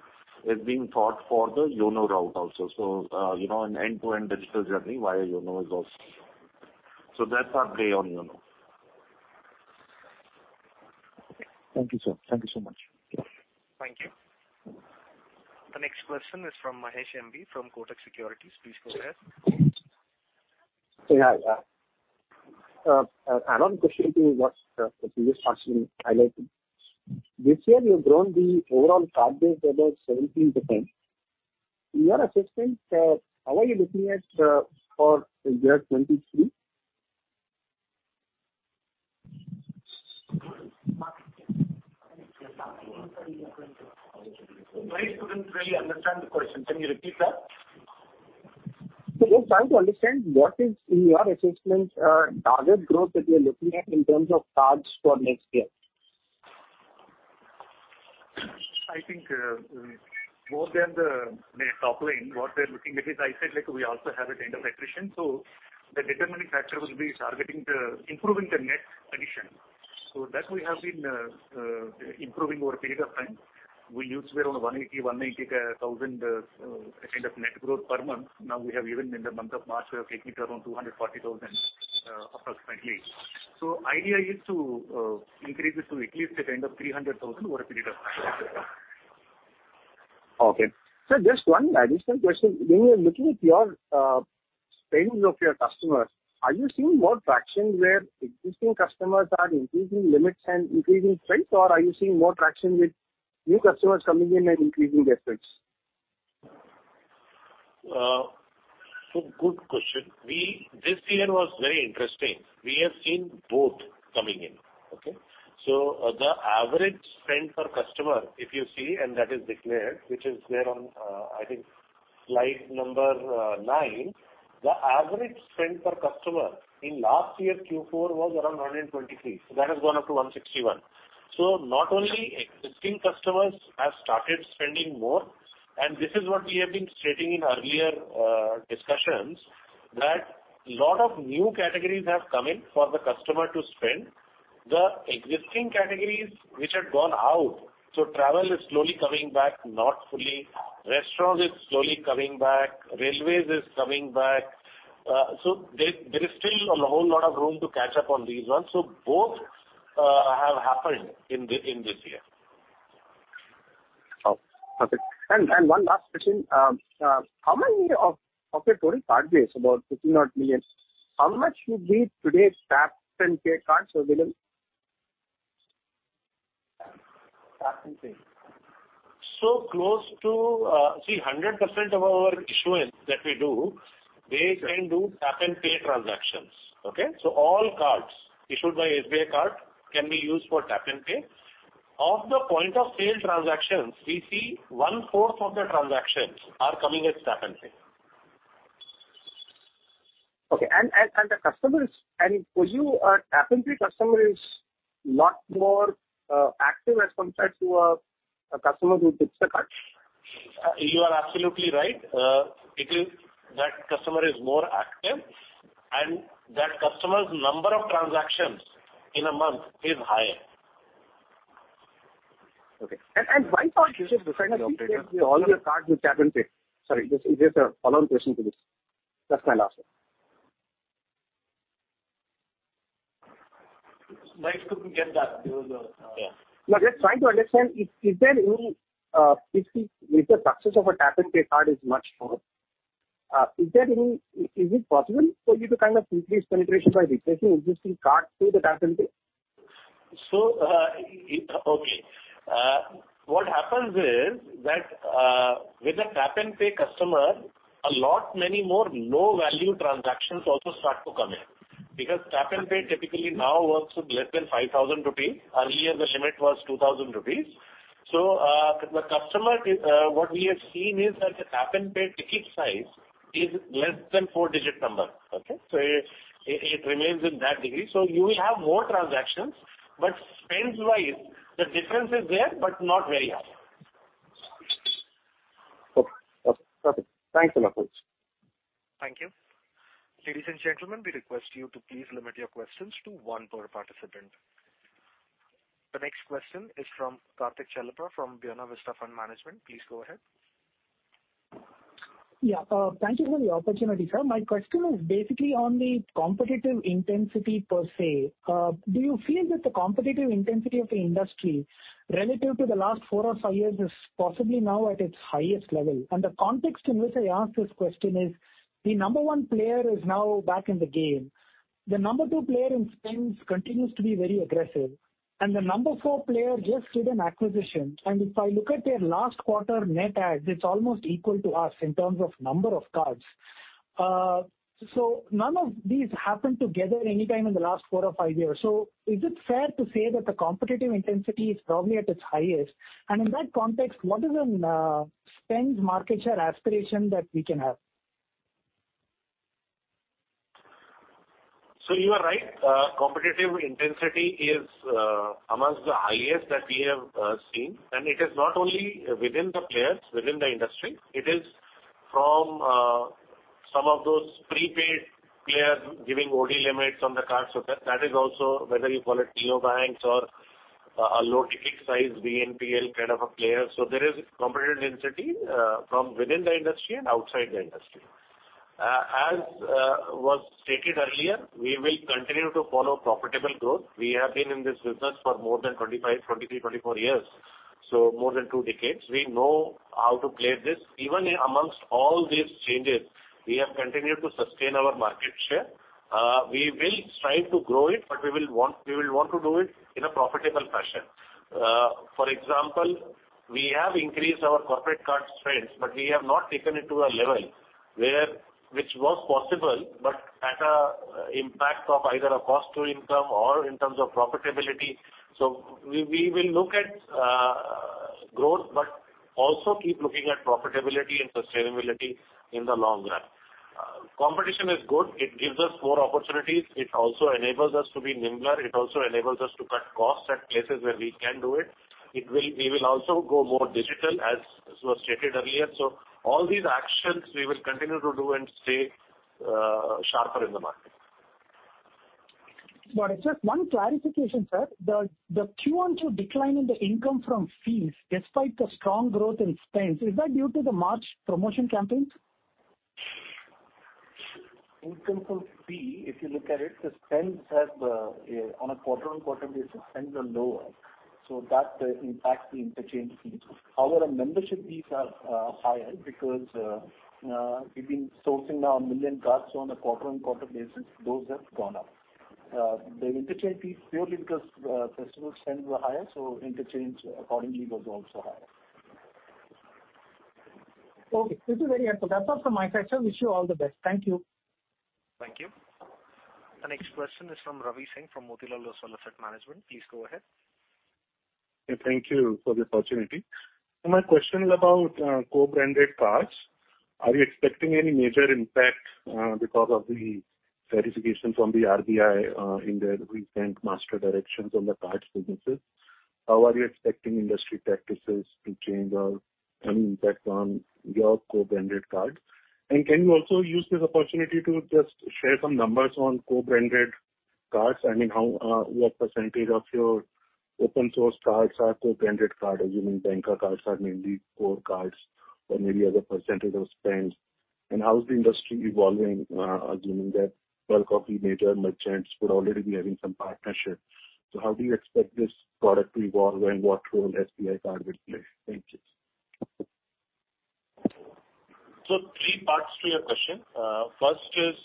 is being thought for the YONO route also. An end-to-end digital journey via YONO is also. That's our play on YONO. Thank you, sir. Thank you so much. Okay. Thank you. The next question is from M. B. Mahesh from Kotak Securities. Please go ahead. Yeah, yeah. Another question to what the previous person highlighted. This year, you've grown the overall card base about 17%. In your assessment, how are you looking at for the year 2023? My students really understand the question. Can you repeat that? Just trying to understand what is in your assessment, target growth that you're looking at in terms of cards for next year? I think, more than the top line, what we're looking at is I said, like, we also have a kind of attrition, so the determining factor will be improving the net addition. That we have been improving over a period of time. We used to be around 180,000, kind of net growth per month. Now we have even in the month of March, we have taken it around 240,000, approximately. Idea is to increase it to at least a kind of 300,000 over a period of time. Okay. Sir, just one additional question. When you are looking at your spends of your customers, are you seeing more traction where existing customers are increasing limits and increasing spends or are you seeing more traction with new customers coming in and increasing their spends? Good question. This year was very interesting. We have seen both coming in. Okay? The average spend per customer, if you see, and that is declared, which is there on, I think slide number nine. The average spend per customer in last year's Q4 was around 123. That has gone up to 161. Not only existing customers have started spending more, and this is what we have been stating in earlier discussions, that a lot of new categories have come in for the customer to spend. The existing categories which had gone out, travel is slowly coming back, not fully. Restaurant is slowly coming back. Railways is coming back. There is still a whole lot of room to catch up on these ones. Both have happened in this year. Oh, okay. One last question. How many of your total card base, about 15 odd million, how much would be today's tap-and-pay cards available? Tap-and-pay. Close to 100% of our issuance that we do, they can do tap-and-pay transactions. Okay? All cards issued by SBI Card can be used for tap-and-pay. Of the point of sale transactions, we see one-fourth of the transactions are coming as tap-and-pay. The customers, for you, a tap-and-pay customer is a lot more active as compared to a customer who dips the card? You are absolutely right. That customer is more active, and that customer's number of transactions in a month is higher. Okay. Why can't you just replace all of the cards with tap-and-pay? Sorry, this is just a follow-on question to this. That's my last one. My students couldn't get that. Yeah. No, just trying to understand if the success of a tap-and-pay card is much more, is it possible for you to kind of increase penetration by replacing existing cards to the tap-and-pay? What happens is that with a tap-and-pay customer, a lot many more low-value transactions also start to come in. Because tap-and-pay typically now works with less than 5,000 rupees. Earlier the limit was 2,000 rupees. What we have seen is that the tap-and-pay ticket size is less than four-digit number. Okay? It remains in that degree. You will have more transactions, but spends-wise, the difference is there, but not very high. Okay. That's it. Thanks a lot. Thank you. Ladies and gentlemen, we request you to please limit your questions to one per participant. The next question is from Karthik Chellappa from Buena Vista Fund Management. Please go ahead. Yeah. Thank you for the opportunity, sir. My question is basically on the competitive intensity per se. Do you feel that the competitive intensity of the industry relative to the last four or five years is possibly now at its highest level? The context in which I ask this question is, the number one player is now back in the game. The number two player in spends continues to be very aggressive. The number four player just did an acquisition, and if I look at their last quarter net adds, it's almost equal to us in terms of number of cards. None of these happened together anytime in the last four or five years. Is it fair to say that the competitive intensity is probably at its highest? In that context, what is the spend market share aspiration that we can have? You are right. Competitive intensity is among the highest that we have seen. It is not only within the players within the industry, it is from some of those prepaid players giving OD limits on the card, so that is also whether you call it neobanks or a low ticket size BNPL kind of a player. There is competitive density from within the industry and outside the industry. As was stated earlier, we will continue to follow profitable growth. We have been in this business for more than 25, 23, 24 years, so more than two decades. We know how to play this. Even among all these changes, we have continued to sustain our market share. We will strive to grow it, but we will want to do it in a profitable fashion. For example, we have increased our corporate card spends, but we have not taken it to a level where, which was possible, but at a impact of either a cost to income or in terms of profitability. We will look at growth, but also keep looking at profitability and sustainability in the long run. Competition is good. It gives us more opportunities. It also enables us to be nimbler. It also enables us to cut costs at places where we can do it. We will also go more digital, as was stated earlier. All these actions we will continue to do and stay sharper in the market. Just one clarification, sir. The Q-on-Q decline in the income from fees despite the strong growth in spends, is that due to the March promotion campaigns? Income from fee, if you look at it, the spends have, on a quarter-on-quarter basis, spends are lower, so that impacts the interchange fees. However, membership fees are higher because we've been sourcing now 1 million cards, so on a quarter-on-quarter basis, those have gone up. The interchange fees purely because festival spends were higher, so interchange accordingly was also higher. Okay. This is very helpful. That's all from my side, sir. Wish you all the best. Thank you. Thank you. The next question is from Ravi Singh from Motilal Oswal Asset Management. Please go ahead. Thank you for the opportunity. My question is about co-branded cards. Are you expecting any major impact because of the clarification from the RBI in their recent Master Directions on the cards businesses? How are you expecting industry practices to change or any impact on your co-branded cards? Can you also use this opportunity to just share some numbers on co-branded cards? I mean, what percentage of your open cards are co-branded card, assuming bank cards are mainly core cards or maybe as a percentage of spends? How is the industry evolving, assuming that bulk of the major merchants would already be having some partnerships? How do you expect this product to evolve and what role SBI Card will play? Thank you. Three parts to your question. First is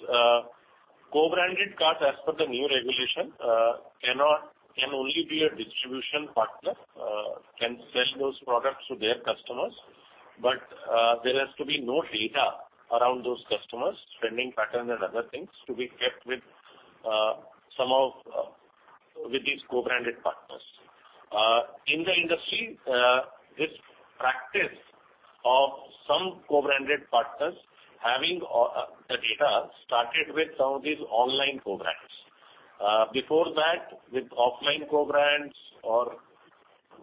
co-branded cards, as per the new regulation, can only be a distribution partner, can sell those products to their customers, but there has to be no data around those customers' spending pattern and other things to be kept with some of these co-branded partners. In the industry, this practice of some co-branded partners having the data started with some of these online co-brands. Before that, with offline co-brands or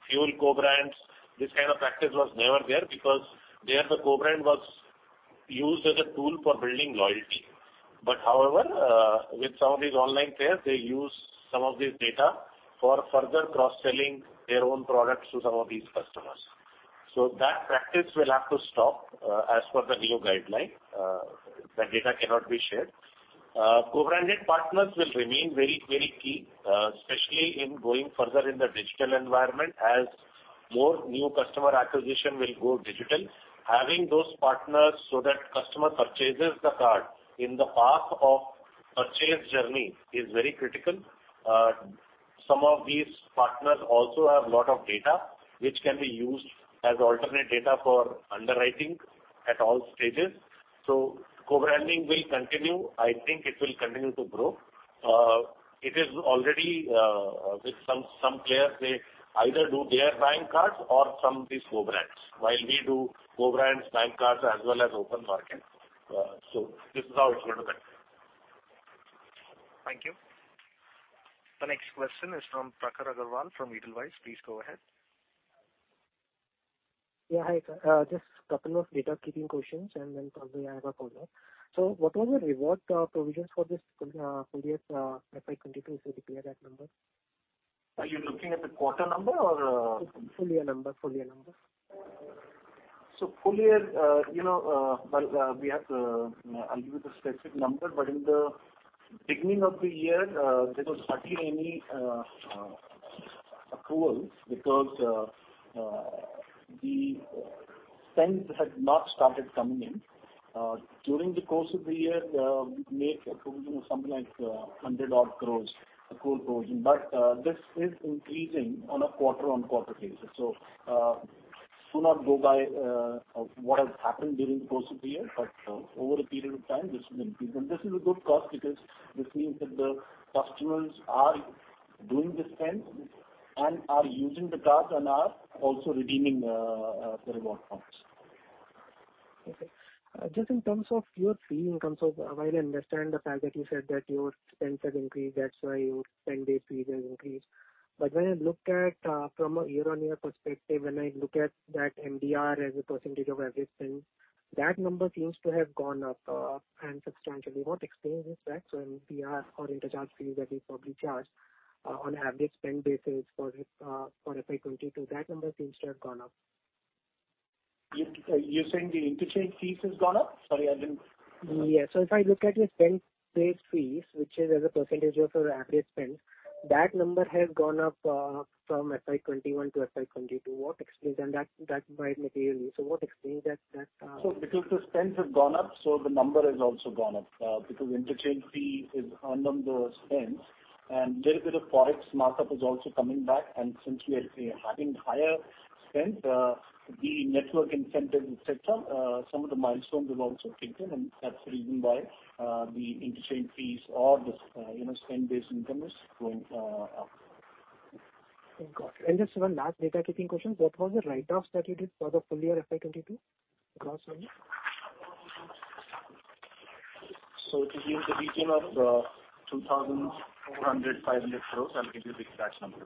fuel co-brands, this kind of practice was never there because there the co-brand was used as a tool for building loyalty. However, with some of these online players, they use some of these data for further cross-selling their own products to some of these customers. That practice will have to stop, as per the new guideline. The data cannot be shared. Co-branded partners will remain very, very key, especially in going further in the digital environment as more new customer acquisition will go digital. Having those partners so that customer purchases the card in the path of purchase journey is very critical. Some of these partners also have lot of data which can be used as alternative data for underwriting at all stages. Co-branding will continue. I think it will continue to grow. It is already, with some players, they either do their bank cards or some of these co-brands. While we do co-brands, bank cards, as well as open market. This is how it's going to play. Thank you. The next question is from Prakhar Agarwal from Edelweiss. Please go ahead. Hi, sir. Just couple of housekeeping questions and then probably I have a call now. What was your reward provisions for this full year FY 2022? Could you clarify that number? Are you looking at the quarter number or? Full year number. Full year, you know, well, we have, I'll give you the specific number, but in the beginning of the year, there was hardly any accruals because the spends had not started coming in. During the course of the year, we made a provision of something like 100 odd crore, a crore provision. But this is increasing on a quarter-on-quarter basis. Do not go by what has happened during the course of the year, but over a period of time, this will increase. This is a good cost because this means that the customers are doing the spends and are using the card and are also redeeming the reward points. Okay. Just in terms of your fee, in terms of while I understand the fact that you said that your spends have increased, that's why your spend base fee has increased. When I looked at, from a year-on-year perspective, when I look at that MDR as a percentage of every spend, that number seems to have gone up, and substantially. What explains this, right? MDR or interchange fee that is probably charged, on average spend basis for FY 2022, that number seems to have gone up. You're saying the interchange fees has gone up? Yes. If I look at your spend-based fees, which is as a percentage of your average spend, that number has gone up from FY2021 to FY2022. What explains that materially? Because the spends have gone up, the number has also gone up, because interchange fee is earned on the spends. A little bit of Forex markup is also coming back. Since we are having higher spend, the network incentive, et cetera, some of the milestones have also kicked in, and that's the reason why the interchange fees or the, you know, spend-based income is going up. Okay. Got it. Just one last data-keeping question. What was the write-offs that you did for the full year FY 2022? Rough sum? It is in the region of 2,400-500 crores. I'll give you the exact numbers.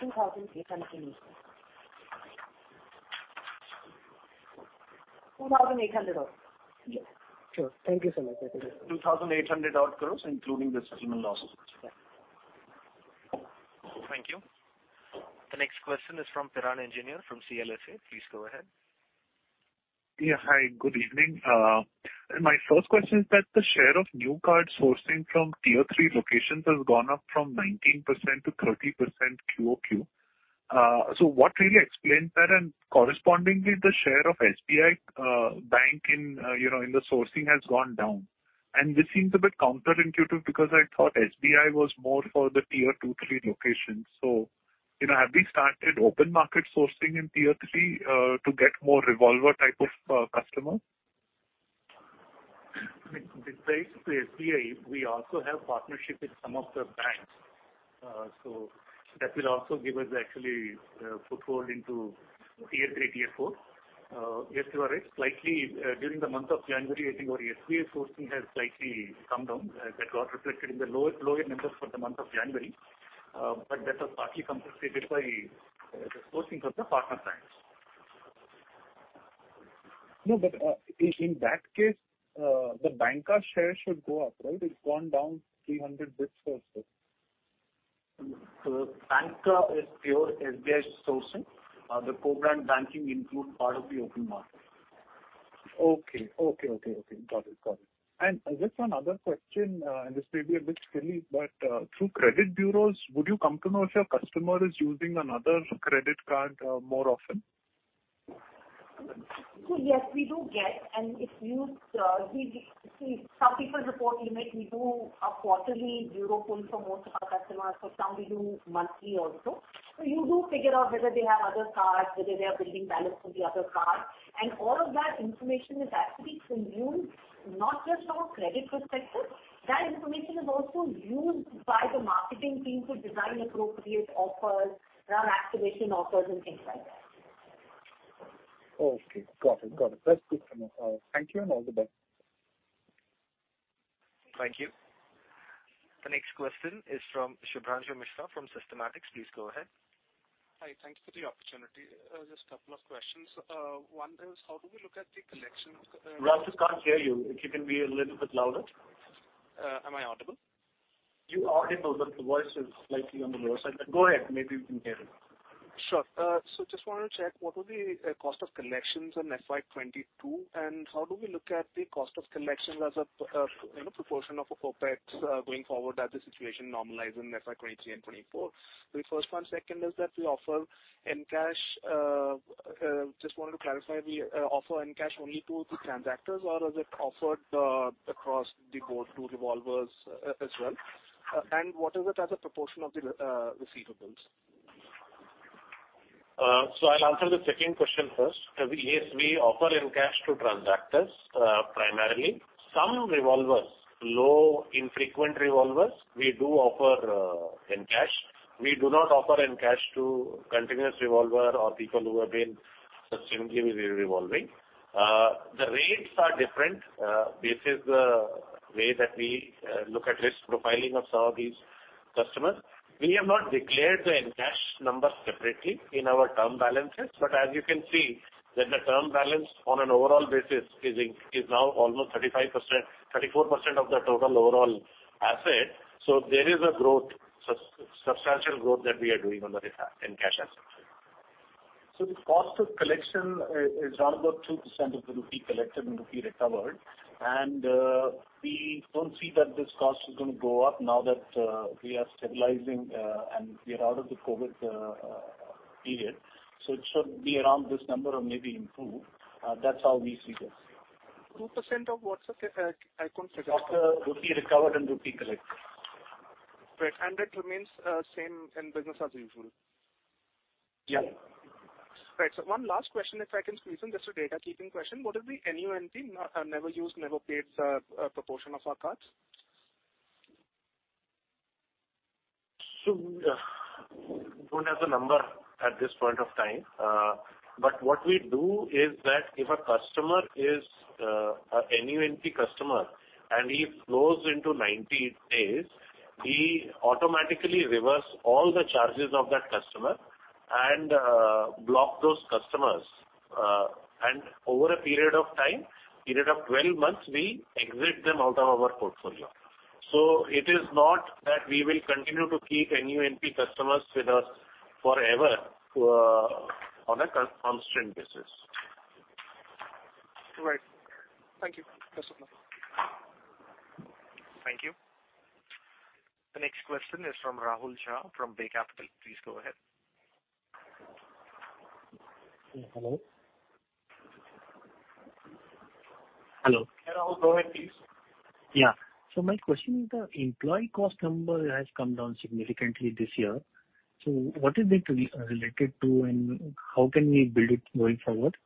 2,800. 2,800 odd. Sure. Thank you so much. INR 2,800 odd crores, including the settlement losses. Yeah. Thank you. The next question is from Piran Engineer from CLSA. Please go ahead. Yeah. Hi, good evening. My first question is that the share of new card sourcing from tier three locations has gone up from 19% to 30% QOQ. What really explains that? Correspondingly, the share of SBI Bank in, you know, in the sourcing has gone down. This seems a bit counterintuitive because I thought SBI was more for the tier two, three locations. You know, have we started open market sourcing in tier three to get more revolver type of customer? I mean, besides the SBI, we also have partnership with some of the banks. That will also give us actually, foothold into tier three, tier four. Yes, you are right. Slightly, during the month of January, I think our SBI sourcing has slightly come down. That got reflected in the lower numbers for the month of January. That was partly compensated by the sourcing from the partner banks. No, in that case, the market share should go up, right? It's gone down 300 basis points. Banking is pure SBI sourcing. The co-brand banking include part of the open market. Okay. Got it. Just one other question, and this may be a bit silly, but through credit bureaus, would you come to know if your customer is using another credit card more often? Yes, we do get. See, some people report limit. We do a quarterly bureau pull for most of our customers. For some we do monthly also. You do figure out whether they have other cards, whether they are building balance with the other cards. All of that information is actually consumed not just from a CRED perspective. That information is also used by the marketing team to design appropriate offers, run activation offers and things like that. Okay. Got it. That's good to know. Thank you and all the best. Thank you. The next question is from Shubhranshu Mishra from Systematix. Please go ahead. Hi. Thanks for the opportunity. Just couple of questions. One is how do we look at the collection. Shubhranshu can't hear you. If you can be a little bit louder. Am I audible? You're audible, but the voice is slightly on the lower side. Go ahead, maybe we can hear you. Sure. Just wanted to check what was the cost of collections in FY 2022, and how do we look at the cost of collections as a you know proportion of a OpEx going forward as the situation normalize in FY 2023 and 2024? The first one. Second is that the offer in cash just wanted to clarify, we offer in cash only to the transactors or is it offered across the board to revolvers as well? And what is it as a proportion of the receivables? I'll answer the second question first. Yes, we offer in cash to transactors, primarily. Some revolvers, low infrequent revolvers, we do offer in cash. We do not offer in cash to continuous revolver or people who have been consistently revolving. The rates are different, based on the way that we look at risk profiling of some of these customers. We have not declared the in-cash number separately in our term balances, but as you can see that the term balance on an overall basis is now almost 35%, 34% of the total overall asset. There is a growth, substantial growth that we are doing on the in cash asset. The cost of collection is around about 2% of the INR collected and INR recovered. We don't see that this cost is gonna go up now that we are stabilizing and we are out of the COVID period. It should be around this number or maybe improve. That's how we see this. 2% of what, sir? I couldn't figure- Of the rupee recovered and rupee collected. Right. That remains same and business as usual? Yeah. Right. One last question, if I can squeeze in, just a data keeping question. What is the NUNP, never used, never paid, proportion of our cards? Don't have the number at this point of time. What we do is that if a customer is a NUNP customer and he flows into 90 days, we automatically reverse all the charges of that customer and block those customers. Over a period of 12 months, we exit them out of our portfolio. It is not that we will continue to keep NUNP customers with us forever, on a constant basis. All right. Thank you. That's enough. Thank you. The next question is from Rahul Jha from Bay Capital. Please go ahead. Hello? Hello? Yeah, Rahul, go ahead, please. Yeah. My question is, the employee cost number has come down significantly this year. What is it related to, and how can we build it going forward?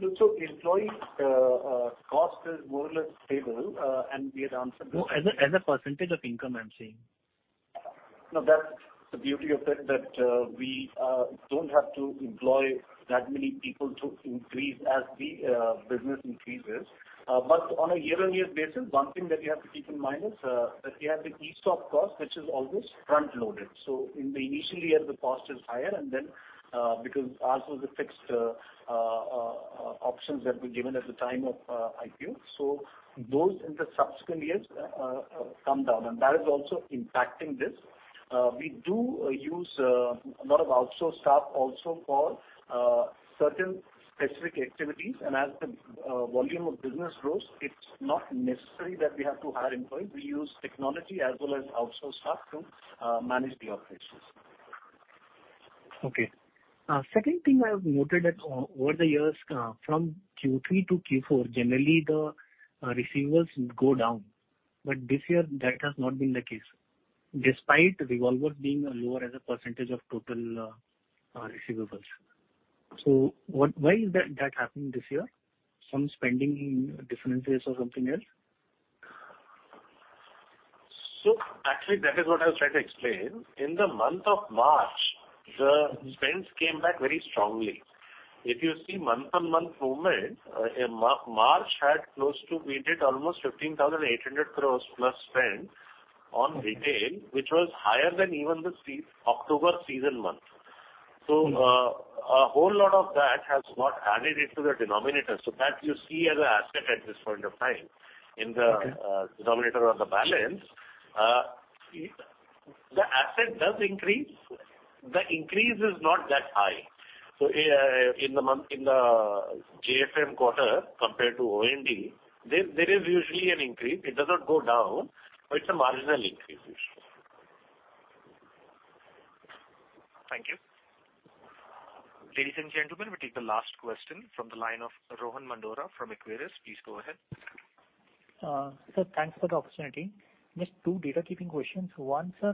Look, employee cost is more or less stable, and we had answered this. No, as a percentage of income, I'm saying. No, that's the beauty of that we don't have to employ that many people to increase as the business increases. On a year-on-year basis, one thing that you have to keep in mind is that we have the ESOP cost, which is always front-loaded. In the initial year the cost is higher, and then because ours was a fixed options that were given at the time of IPO. Those in the subsequent years come down, and that is also impacting this. We do use a lot of outsourced staff also for certain specific activities. As the volume of business grows, it's not necessary that we have to hire employees. We use technology as well as outsourced staff to manage the operations. Okay. Second thing I have noted that over the years, from Q3 to Q4, generally the receivables go down. This year that has not been the case, despite revolvers being lower as a percentage of total receivables. Why is that happening this year? Some spending differences or something else? Actually that is what I was trying to explain. In the month of March, the spends came back very strongly. If you see month-on-month movement, in March had close to we did almost 15,800 crores plus spend on retail, which was higher than even the October season month. Mm-hmm. A whole lot of that has got added into the denominator. That you see as an asset at this point of time. Okay. In the denominator of the balance, the asset does increase. The increase is not that high. In the month, in the JFM quarter compared to OND, there is usually an increase. It does not go down, but it's a marginal increase usually. Thank you. Ladies and gentlemen, we take the last question from the line of Rohan Mandora from Equirus. Please go ahead. Sir, thanks for the opportunity. Just two data keeping questions. One, sir,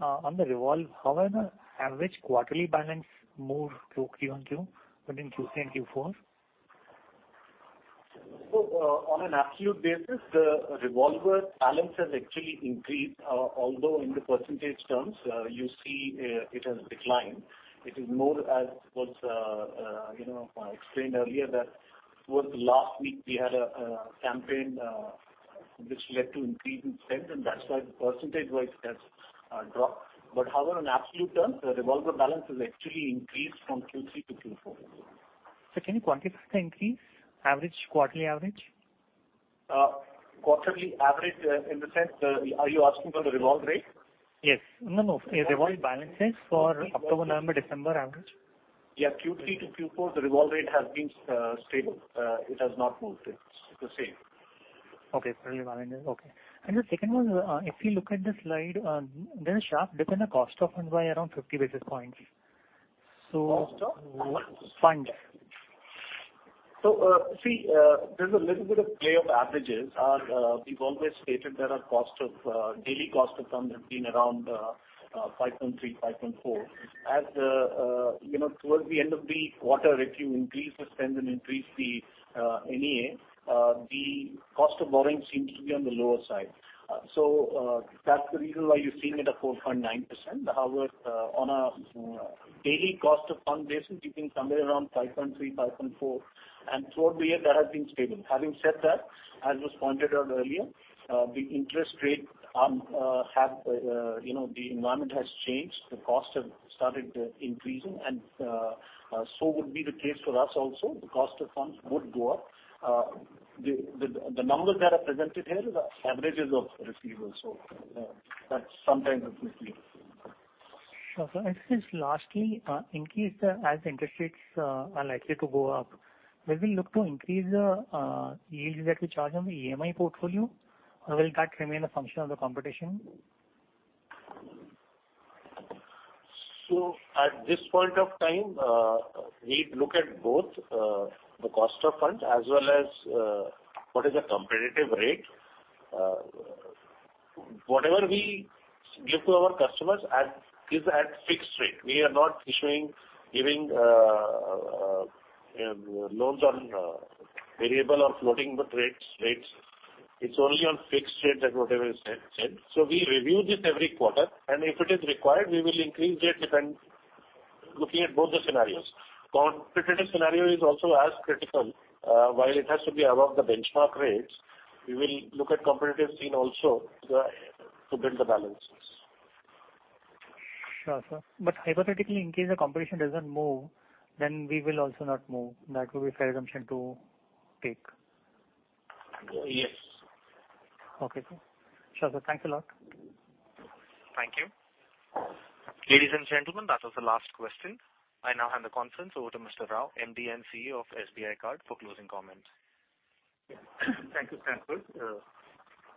on the revolve, how has the average quarterly balance moved through Q-on-Q, but in Q3 and Q4? On an absolute basis, the revolver balance has actually increased. Although in the percentage terms, you see, it has declined. It is more or less, as explained earlier, that towards the last week we had a campaign, which led to increase in spend and that's why the percentage-wise it has dropped. However, in absolute terms, the revolver balance has actually increased from Q3 to Q4. Sir, can you quantify the increase? Average, quarterly average? In the sense, are you asking about the revolve rate? Yes. No, no. Revolving balances for October, November, December average. Yeah. Q3 to Q4, the revolve rate has been stable. It has not moved. It's the same. Quarterly balance. The second one, if you look at the slide, there is sharp dip in the cost of funds by around 50 basis points. Cost of? Fund. There's a little bit of play of averages. We've always stated that our daily cost of funds have been around 5.3-5.4. As you know, towards the end of the quarter, if you increase the spend and increase the NEA, the cost of borrowing seems to be on the lower side. That's the reason why you're seeing it at 4.9%. However, on a daily cost of funds basis, it's been somewhere around 5.3-5.4. Throughout the year that has been stable. Having said that, as was pointed out earlier, the interest rate have, you know, the environment has changed, the cost have started increasing and so would be the case for us also. The cost of funds would go up. The numbers that are presented here is the averages of receivables. That sometimes it may be- Sure, sir. Since lastly, as interest rates are likely to go up, will we look to increase the yields that we charge on the EMI portfolio? Or will that remain a function of the competition? At this point of time, we look at both the cost of funds as well as what is the competitive rate. Whatever we give to our customers at is at fixed rate. We are not issuing, giving loans on variable or floating rates. It's only on fixed rate that whatever is said. We review this every quarter, and if it is required, we will increase it depend looking at both the scenarios. Competitive scenario is also as critical. While it has to be above the benchmark rates, we will look at competitive scenario also to build the balances. Sure, sir. Hypothetically, in case the competition doesn't move, then we will also not move. That will be a fair assumption to take. Yes. Okay, cool. Sure, sir, thanks a lot. Thank you. Ladies and gentlemen, that was the last question. I now hand the conference over to Mr. Rao, MD & CEO of SBI Card for closing comments. Thank you, Sanford.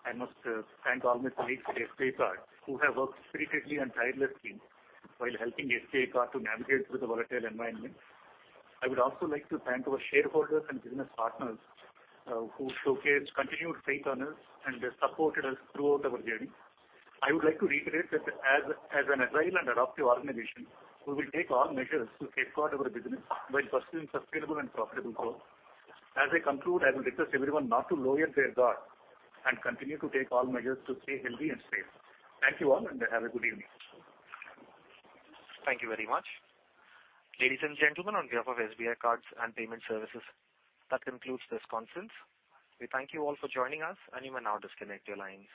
I must thank all my colleagues at SBI Card who have worked diligently and tirelessly while helping SBI Card to navigate through the volatile environment. I would also like to thank our shareholders and business partners, who showcased continued faith in us and supported us throughout our journey. I would like to reiterate that as an agile and adaptive organization, we will take all measures to safeguard our business while pursuing sustainable and profitable growth. As I conclude, I will request everyone not to lower their guard and continue to take all measures to stay healthy and safe. Thank you all, and have a good evening. Thank you very much. Ladies and gentlemen, on behalf of SBI Cards and Payment Services, that concludes this conference. We thank you all for joining us, and you may now disconnect your lines.